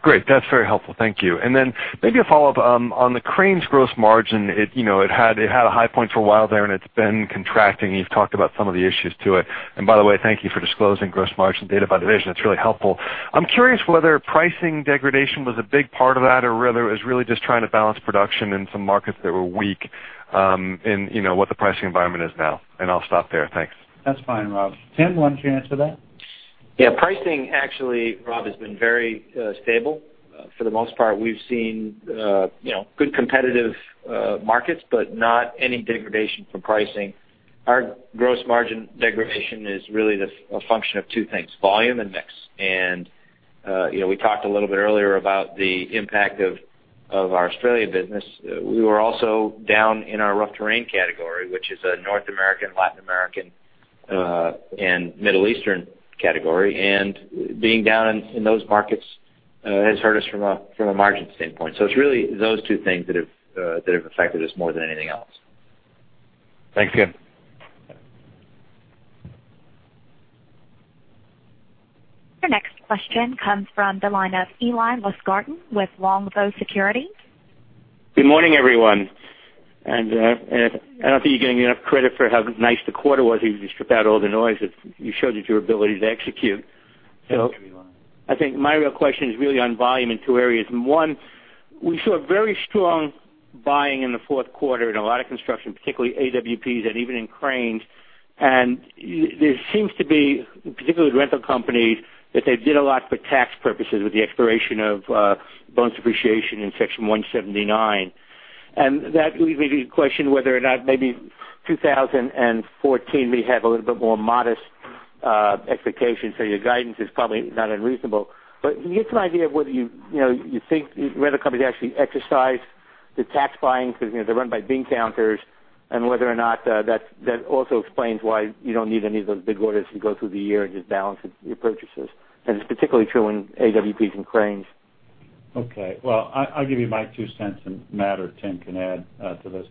Great. That's very helpful. Thank you. Then maybe a follow-up, on the cranes gross margin, it had a high point for a while there, and it's been contracting. You've talked about some of the issues to it. By the way, thank you for disclosing gross margin data by division. It's really helpful. I'm curious whether pricing degradation was a big part of that or whether it was really just trying to balance production in some markets that were weak, and what the pricing environment is now, and I'll stop there. Thanks. That's fine, Rob. Tim, why don't you answer that? Yeah. Pricing actually, Rob, has been very stable. For the most part, we've seen good competitive markets, but not any degradation from pricing. Our gross margin degradation is really a function of two things, volume and mix. We talked a little bit earlier about the impact of our Australia business. We were also down in our rough terrain category, which is a North American, Latin American, and Middle Eastern category. Being down in those markets has hurt us from a margin standpoint. It's really those two things that have affected us more than anything else. Thanks, Tim. Your next question comes from the line of Eli Lustgarten with Longbow Securities. Good morning, everyone. I don't think you're getting enough credit for how nice the quarter was. You strip out all the noise. You showed your ability to execute. Thank you, Eli. I think my real question is really on volume in two areas. One, we saw very strong buying in the fourth quarter in a lot of construction, particularly AWPs and even in cranes. There seems to be, particularly with rental companies, that they did a lot for tax purposes with the expiration of bonus depreciation in Section 179. That leads me to question whether or not maybe 2014 may have a little bit more modest expectations, so your guidance is probably not unreasonable. Can you get an idea of whether you think rental companies actually exercise the tax buying because they're run by bean counters, and whether or not that also explains why you don't need any of those big orders to go through the year and just balance your purchases. It's particularly true in AWPs and cranes. Okay. Well, I'll give you my two cents, Matt or Tim can add to this.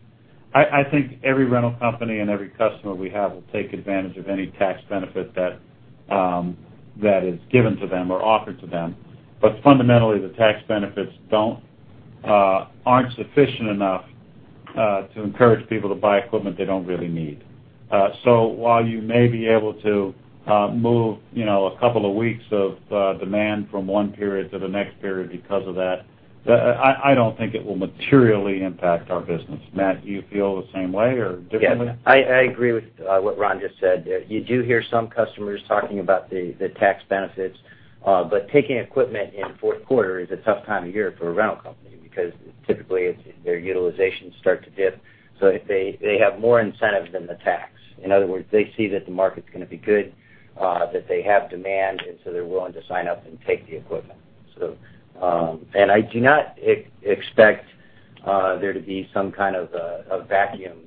I think every rental company and every customer we have will take advantage of any tax benefit that is given to them or offered to them. Fundamentally, the tax benefits aren't sufficient enough to encourage people to buy equipment they don't really need. While you may be able to move a couple of weeks of demand from one period to the next period because of that, I don't think it will materially impact our business. Matt, do you feel the same way or differently? Yes. I agree with what Ron just said. You do hear some customers talking about the tax benefits. Taking equipment in fourth quarter is a tough time of year for a rental company because typically, their utilizations start to dip. They have more incentive than the tax. In other words, they see that the market's going to be good, that they have demand, and so they're willing to sign up and take the equipment. I do not expect there to be some kind of a vacuum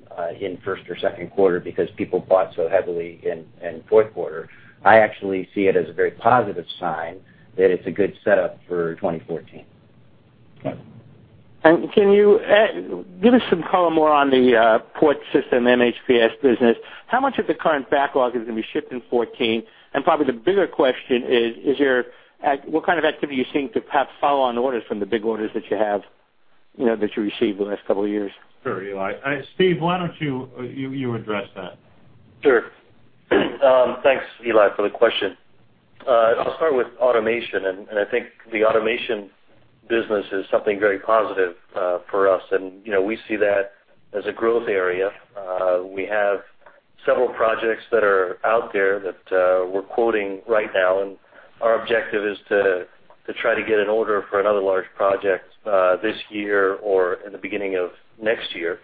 in first or second quarter because people bought so heavily in fourth quarter. I actually see it as a very positive sign that it's a good setup for 2014. Okay. Can you give us some color more on the port system MHPS business? How much of the current backlog is going to be shipped in 2014? Probably the bigger question is, what kind of activity are you seeing to perhaps follow on orders from the big orders that you have, that you received the last couple of years? Sure, Eli. Steve, why don't you address that? Sure. Thanks, Eli, for the question. I'll start with automation, I think the automation business is something very positive for us. We see that as a growth area. We have several projects that are out there that we're quoting right now, our objective is to try to get an order for another large project this year or in the beginning of next year.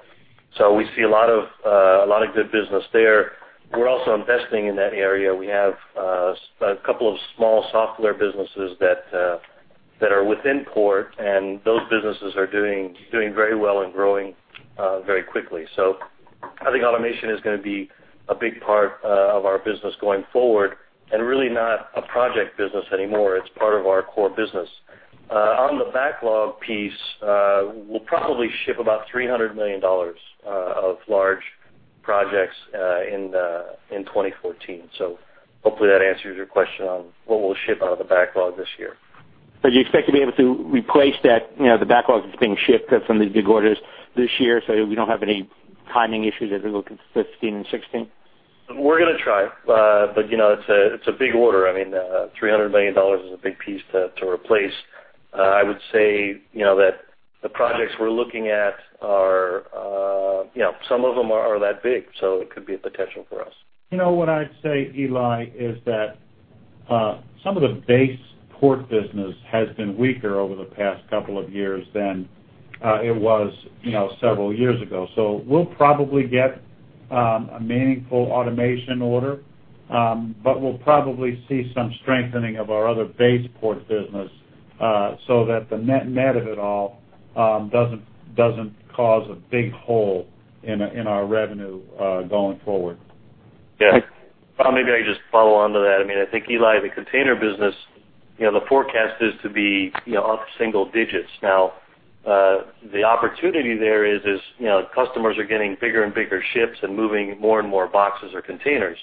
We see a lot of good business there. We're also investing in that area. We have a couple of small software businesses that are within port, those businesses are doing very well and growing very quickly. I think automation is going to be a big part of our business going forward, really not a project business anymore. It's part of our core business. On the backlog piece, we'll probably ship about $300 million of large projects in 2014. Hopefully that answers your question on what we'll ship out of the backlog this year. Do you expect to be able to replace that, the backlog that's being shipped from these big orders this year, so we don't have any timing issues as we look into 2015 and 2016? We're going to try. It's a big order. I mean, $300 million is a big piece to replace. I would say that the projects we're looking at are, some of them are that big, so it could be a potential for us. What I'd say, Eli, is that some of the base port business has been weaker over the past couple of years than it was several years ago. We'll probably get a meaningful automation order. We'll probably see some strengthening of our other base port business, so that the net of it all doesn't cause a big hole in our revenue going forward. Yeah. Maybe I just follow on to that. I think, Eli, the container business, the forecast is to be up single digits. The opportunity there is, customers are getting bigger and bigger ships and moving more and more boxes or containers,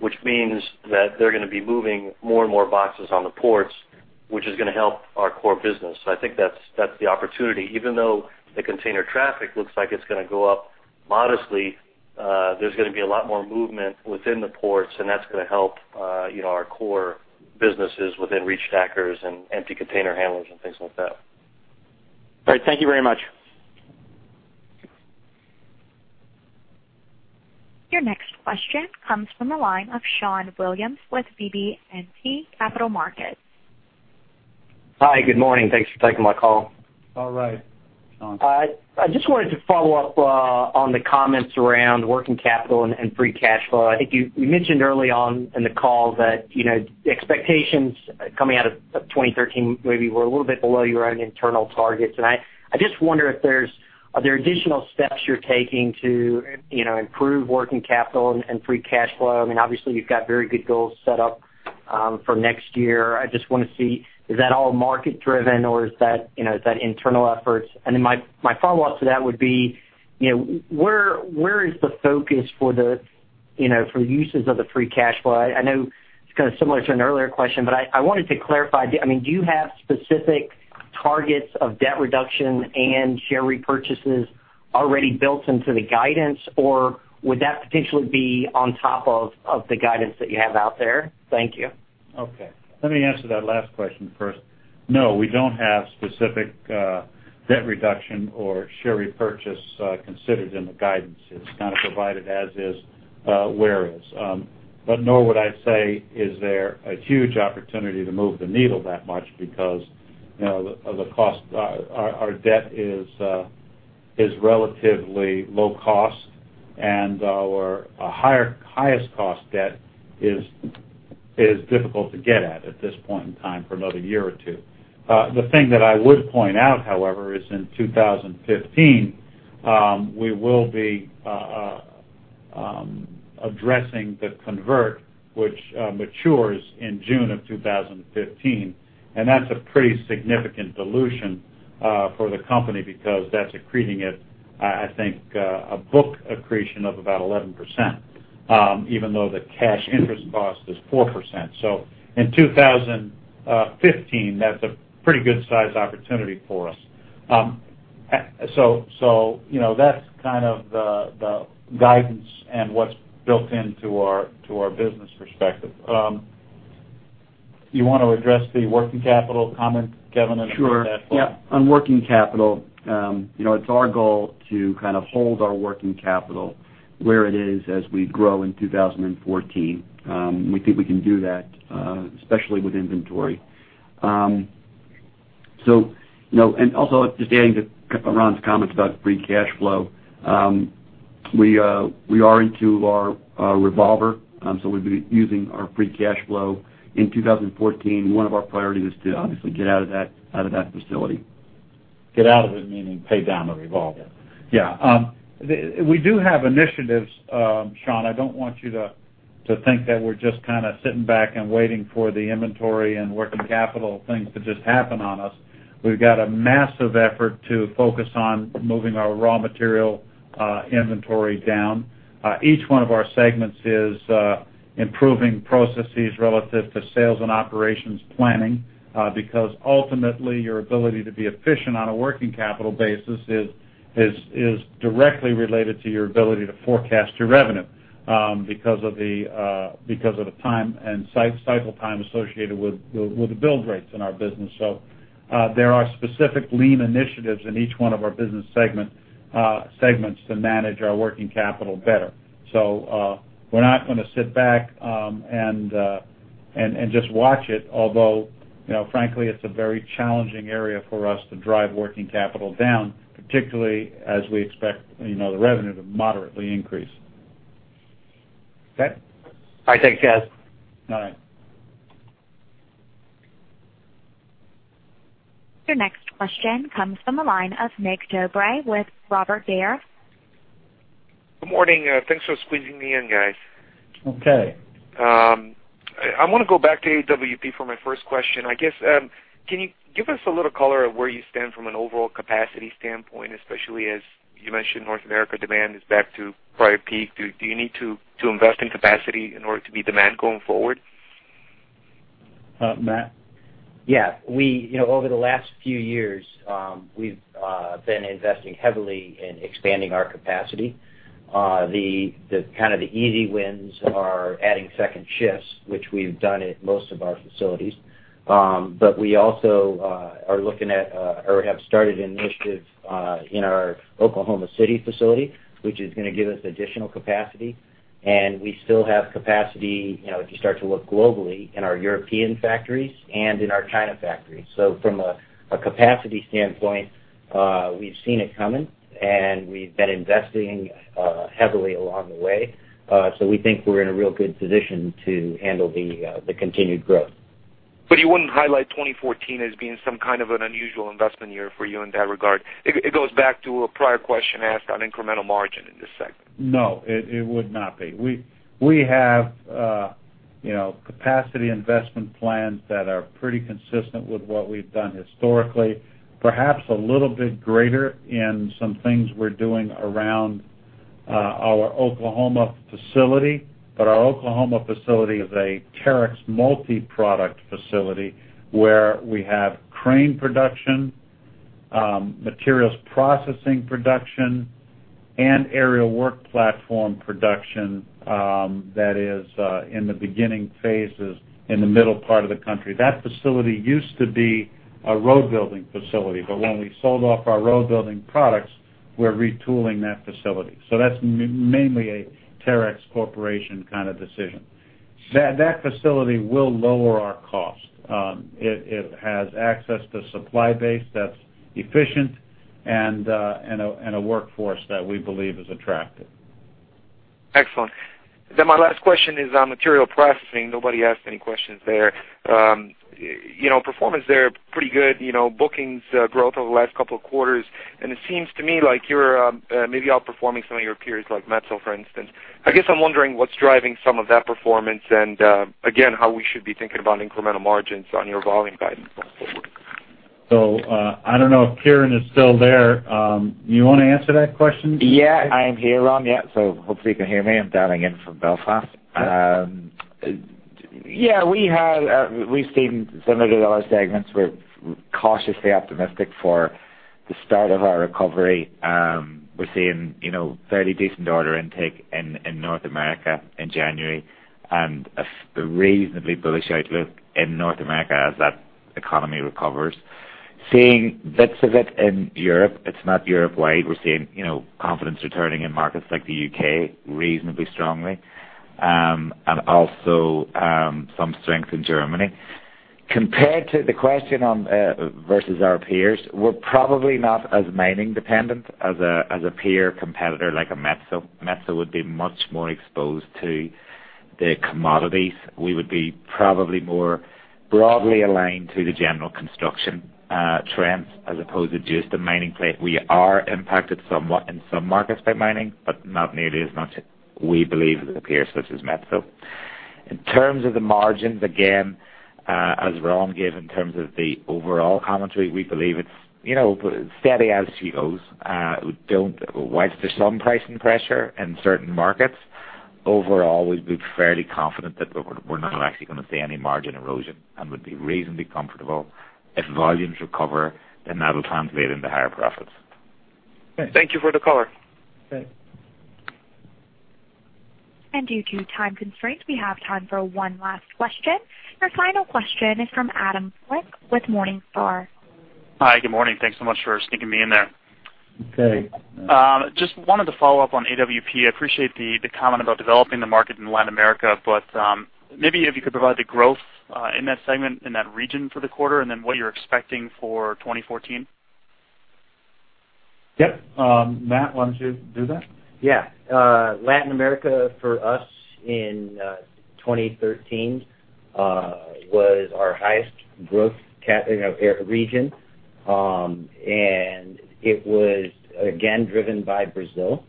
which means that they're going to be moving more and more boxes on the ports, which is going to help our core business. I think that's the opportunity. Even though the container traffic looks like it's going to go up modestly, there's going to be a lot more movement within the ports, and that's going to help our core businesses within reach stackers and empty container handlers and things like that. All right. Thank you very much. Your next question comes from the line of Sean Williams with BB&T Capital Markets. Hi, good morning. Thanks for taking my call. All right, Sean. I just wanted to follow up on the comments around working capital and free cash flow. I think you mentioned early on in the call that the expectations coming out of 2013 maybe were a little bit below your own internal targets. I just wonder, are there additional steps you're taking to improve working capital and free cash flow? I mean, obviously, you've got very good goals set up for next year. Then my follow-up to that would be, where is the focus for the uses of the free cash flow? I know it's kind of similar to an earlier question, but I wanted to clarify. Do you have specific targets of debt reduction and share repurchases already built into the guidance, or would that potentially be on top of the guidance that you have out there? Thank you. Okay. Let me answer that last question first. No, we don't have specific debt reduction or share repurchase considered in the guidance. It's kind of provided as is, where is. Nor would I say is there a huge opportunity to move the needle that much because our debt is relatively low cost, and our highest cost debt is difficult to get at at this point in time for another year or two. The thing that I would point out, however, is in 2015, we will be addressing the convert which matures in June of 2015, and that's a pretty significant dilution for the company because that's accreting it, I think a book accretion of about 11%, even though the cash interest cost is 4%. In 2015, that's a pretty good size opportunity for us. That's kind of the guidance and what's built into our business perspective. Do you want to address the working capital comment, Kevin, and free cash flow? Sure. Yeah. On working capital, it's our goal to kind of hold our working capital where it is as we grow in 2014. We think we can do that, especially with inventory. Also just adding to Ron's comments about free cash flow. We are into our revolver, so we'll be using our free cash flow in 2014. One of our priorities is to obviously get out of that facility. Get out of it, meaning pay down the revolver. Yeah. We do have initiatives, Sean. I don't want you to think that we're just kind of sitting back and waiting for the inventory and working capital things to just happen on us, we've got a massive effort to focus on moving our raw material inventory down. Each one of our segments is improving processes relative to sales and operations planning, because ultimately, your ability to be efficient on a working capital basis is directly related to your ability to forecast your revenue, because of the time and site cycle time associated with the build rates in our business. There are specific lean initiatives in each one of our business segments to manage our working capital better. We're not going to sit back and just watch it. Although, frankly, it's a very challenging area for us to drive working capital down, particularly as we expect the revenue to moderately increase. Sean? I think, yes. All right. Your next question comes from the line of Mig Dobre with Robert W. Baird. Good morning. Thanks for squeezing me in, guys. Okay. I want to go back to AWP for my first question. I guess, can you give us a little color of where you stand from an overall capacity standpoint, especially as you mentioned North America demand is back to prior peak. Do you need to invest in capacity in order to meet demand going forward? Matt? Yeah. Over the last few years, we've been investing heavily in expanding our capacity. The kind of the easy wins are adding second shifts, which we've done at most of our facilities. We also are looking at, or have started initiatives in our Oklahoma City facility, which is going to give us additional capacity. We still have capacity, if you start to look globally, in our European factories and in our China factories. From a capacity standpoint, we've seen it coming, and we've been investing heavily along the way. We think we're in a real good position to handle the continued growth. You wouldn't highlight 2014 as being some kind of an unusual investment year for you in that regard. It goes back to a prior question asked on incremental margin in this segment. No, it would not be. We have capacity investment plans that are pretty consistent with what we've done historically, perhaps a little bit greater in some things we're doing around our Oklahoma facility. Our Oklahoma facility is a Terex multi-product facility where we have crane production, materials processing production, and aerial work platform production that is in the beginning phases in the middle part of the country. That facility used to be a road building facility, but when we sold off our road building products, we're retooling that facility. That's mainly a Terex Corporation kind of decision. That facility will lower our cost. It has access to supply base that's efficient and a workforce that we believe is attractive. Excellent. My last question is on material processing. Nobody asked any questions there. Performance there, pretty good. Bookings growth over the last couple of quarters, and it seems to me like you're maybe outperforming some of your peers, like Metso, for instance. I guess I'm wondering what's driving some of that performance and, again, how we should be thinking about incremental margins on your volume guidance going forward. I don't know if Kieran is still there. You want to answer that question? I'm here, Ron. Yeah. Hopefully you can hear me. I'm dialing in from Belfast. We've seen similar to the other segments. We're cautiously optimistic for the start of our recovery. We're seeing fairly decent order intake in North America in January and a reasonably bullish outlook in North America as that economy recovers. Seeing bits of it in Europe, it's not Europe-wide. We're seeing confidence returning in markets like the U.K. reasonably strongly, and also some strength in Germany. Compared to the question versus our peers, we're probably not as mining dependent as a peer competitor like a Metso. Metso would be much more exposed to the commodities. We would be probably more broadly aligned to the general construction trends as opposed to just the mining play. We are impacted somewhat in some markets by mining, but not nearly as much as we believe the peers such as Metso. In terms of the margins, again, as Ron gave in terms of the overall commentary, we believe it's steady as she goes. Whilst there's some pricing pressure in certain markets, overall, we'd be fairly confident that we're not actually going to see any margin erosion and would be reasonably comfortable if volumes recover, then that'll translate into higher profits. Thank you for the color. Okay. Due to time constraints, we have time for one last question. Our final question is from Adam [Uhlman] with Morningstar. Hi, good morning. Thanks so much for sneaking me in there. Okay. Just wanted to follow up on AWP. I appreciate the comment about developing the market in Latin America, but maybe if you could provide the growth in that segment, in that region for the quarter, and then what you're expecting for 2014. Yep. Matt, why don't you do that? Yeah. Latin America for us in 2013 was our highest growth region, and it was again driven by Brazil.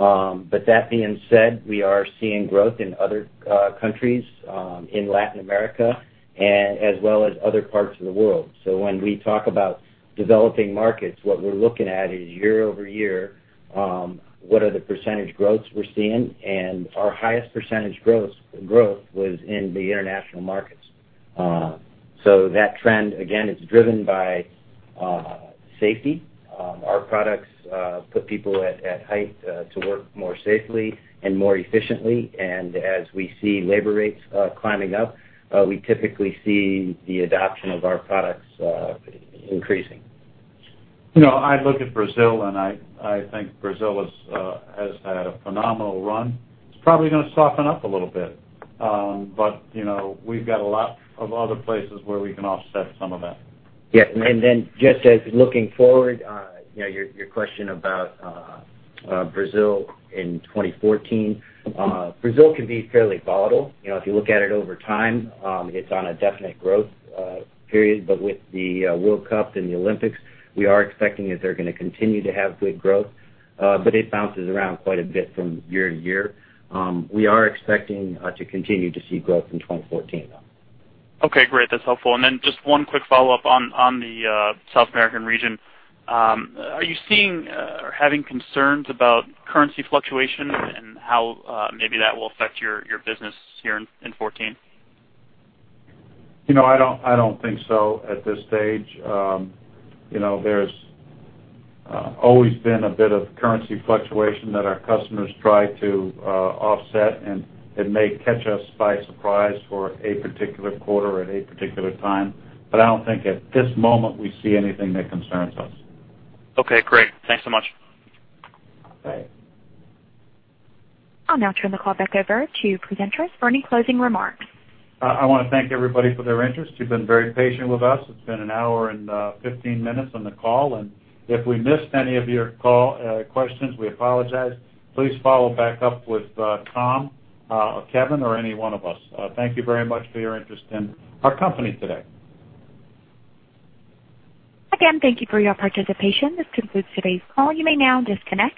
That being said, we are seeing growth in other countries in Latin America and as well as other parts of the world. When we talk about developing markets, what we're looking at is year-over-year, what are the percentage growths we're seeing, and our highest percentage growth was in the international markets. That trend, again, is driven by safety. Our products put people at height to work more safely and more efficiently. As we see labor rates climbing up, we typically see the adoption of our products increasing. I look at Brazil, and I think Brazil has had a phenomenal run. It's probably going to soften up a little bit. We've got a lot of other places where we can offset some of that. Yeah. Just as looking forward, your question about Brazil in 2014. Brazil can be fairly volatile. If you look at it over time, it's on a definite growth period. With the World Cup and the Olympics, we are expecting that they're going to continue to have good growth. It bounces around quite a bit from year to year. We are expecting to continue to see growth in 2014, though. Okay, great. That's helpful. Just one quick follow-up on the South American region. Are you seeing or having concerns about currency fluctuation and how maybe that will affect your business here in 2014? I don't think so at this stage. There's always been a bit of currency fluctuation that our customers try to offset, it may catch us by surprise for a particular quarter at a particular time. I don't think at this moment we see anything that concerns us. Okay, great. Thanks so much. Okay. I'll now turn the call back over to presenters for any closing remarks. I want to thank everybody for their interest. You've been very patient with us. It's been an hour and 15 minutes on the call, and if we missed any of your questions, we apologize. Please follow back up with Tom, Kevin, or any one of us. Thank you very much for your interest in our company today. Again, thank you for your participation. This concludes today's call. You may now disconnect.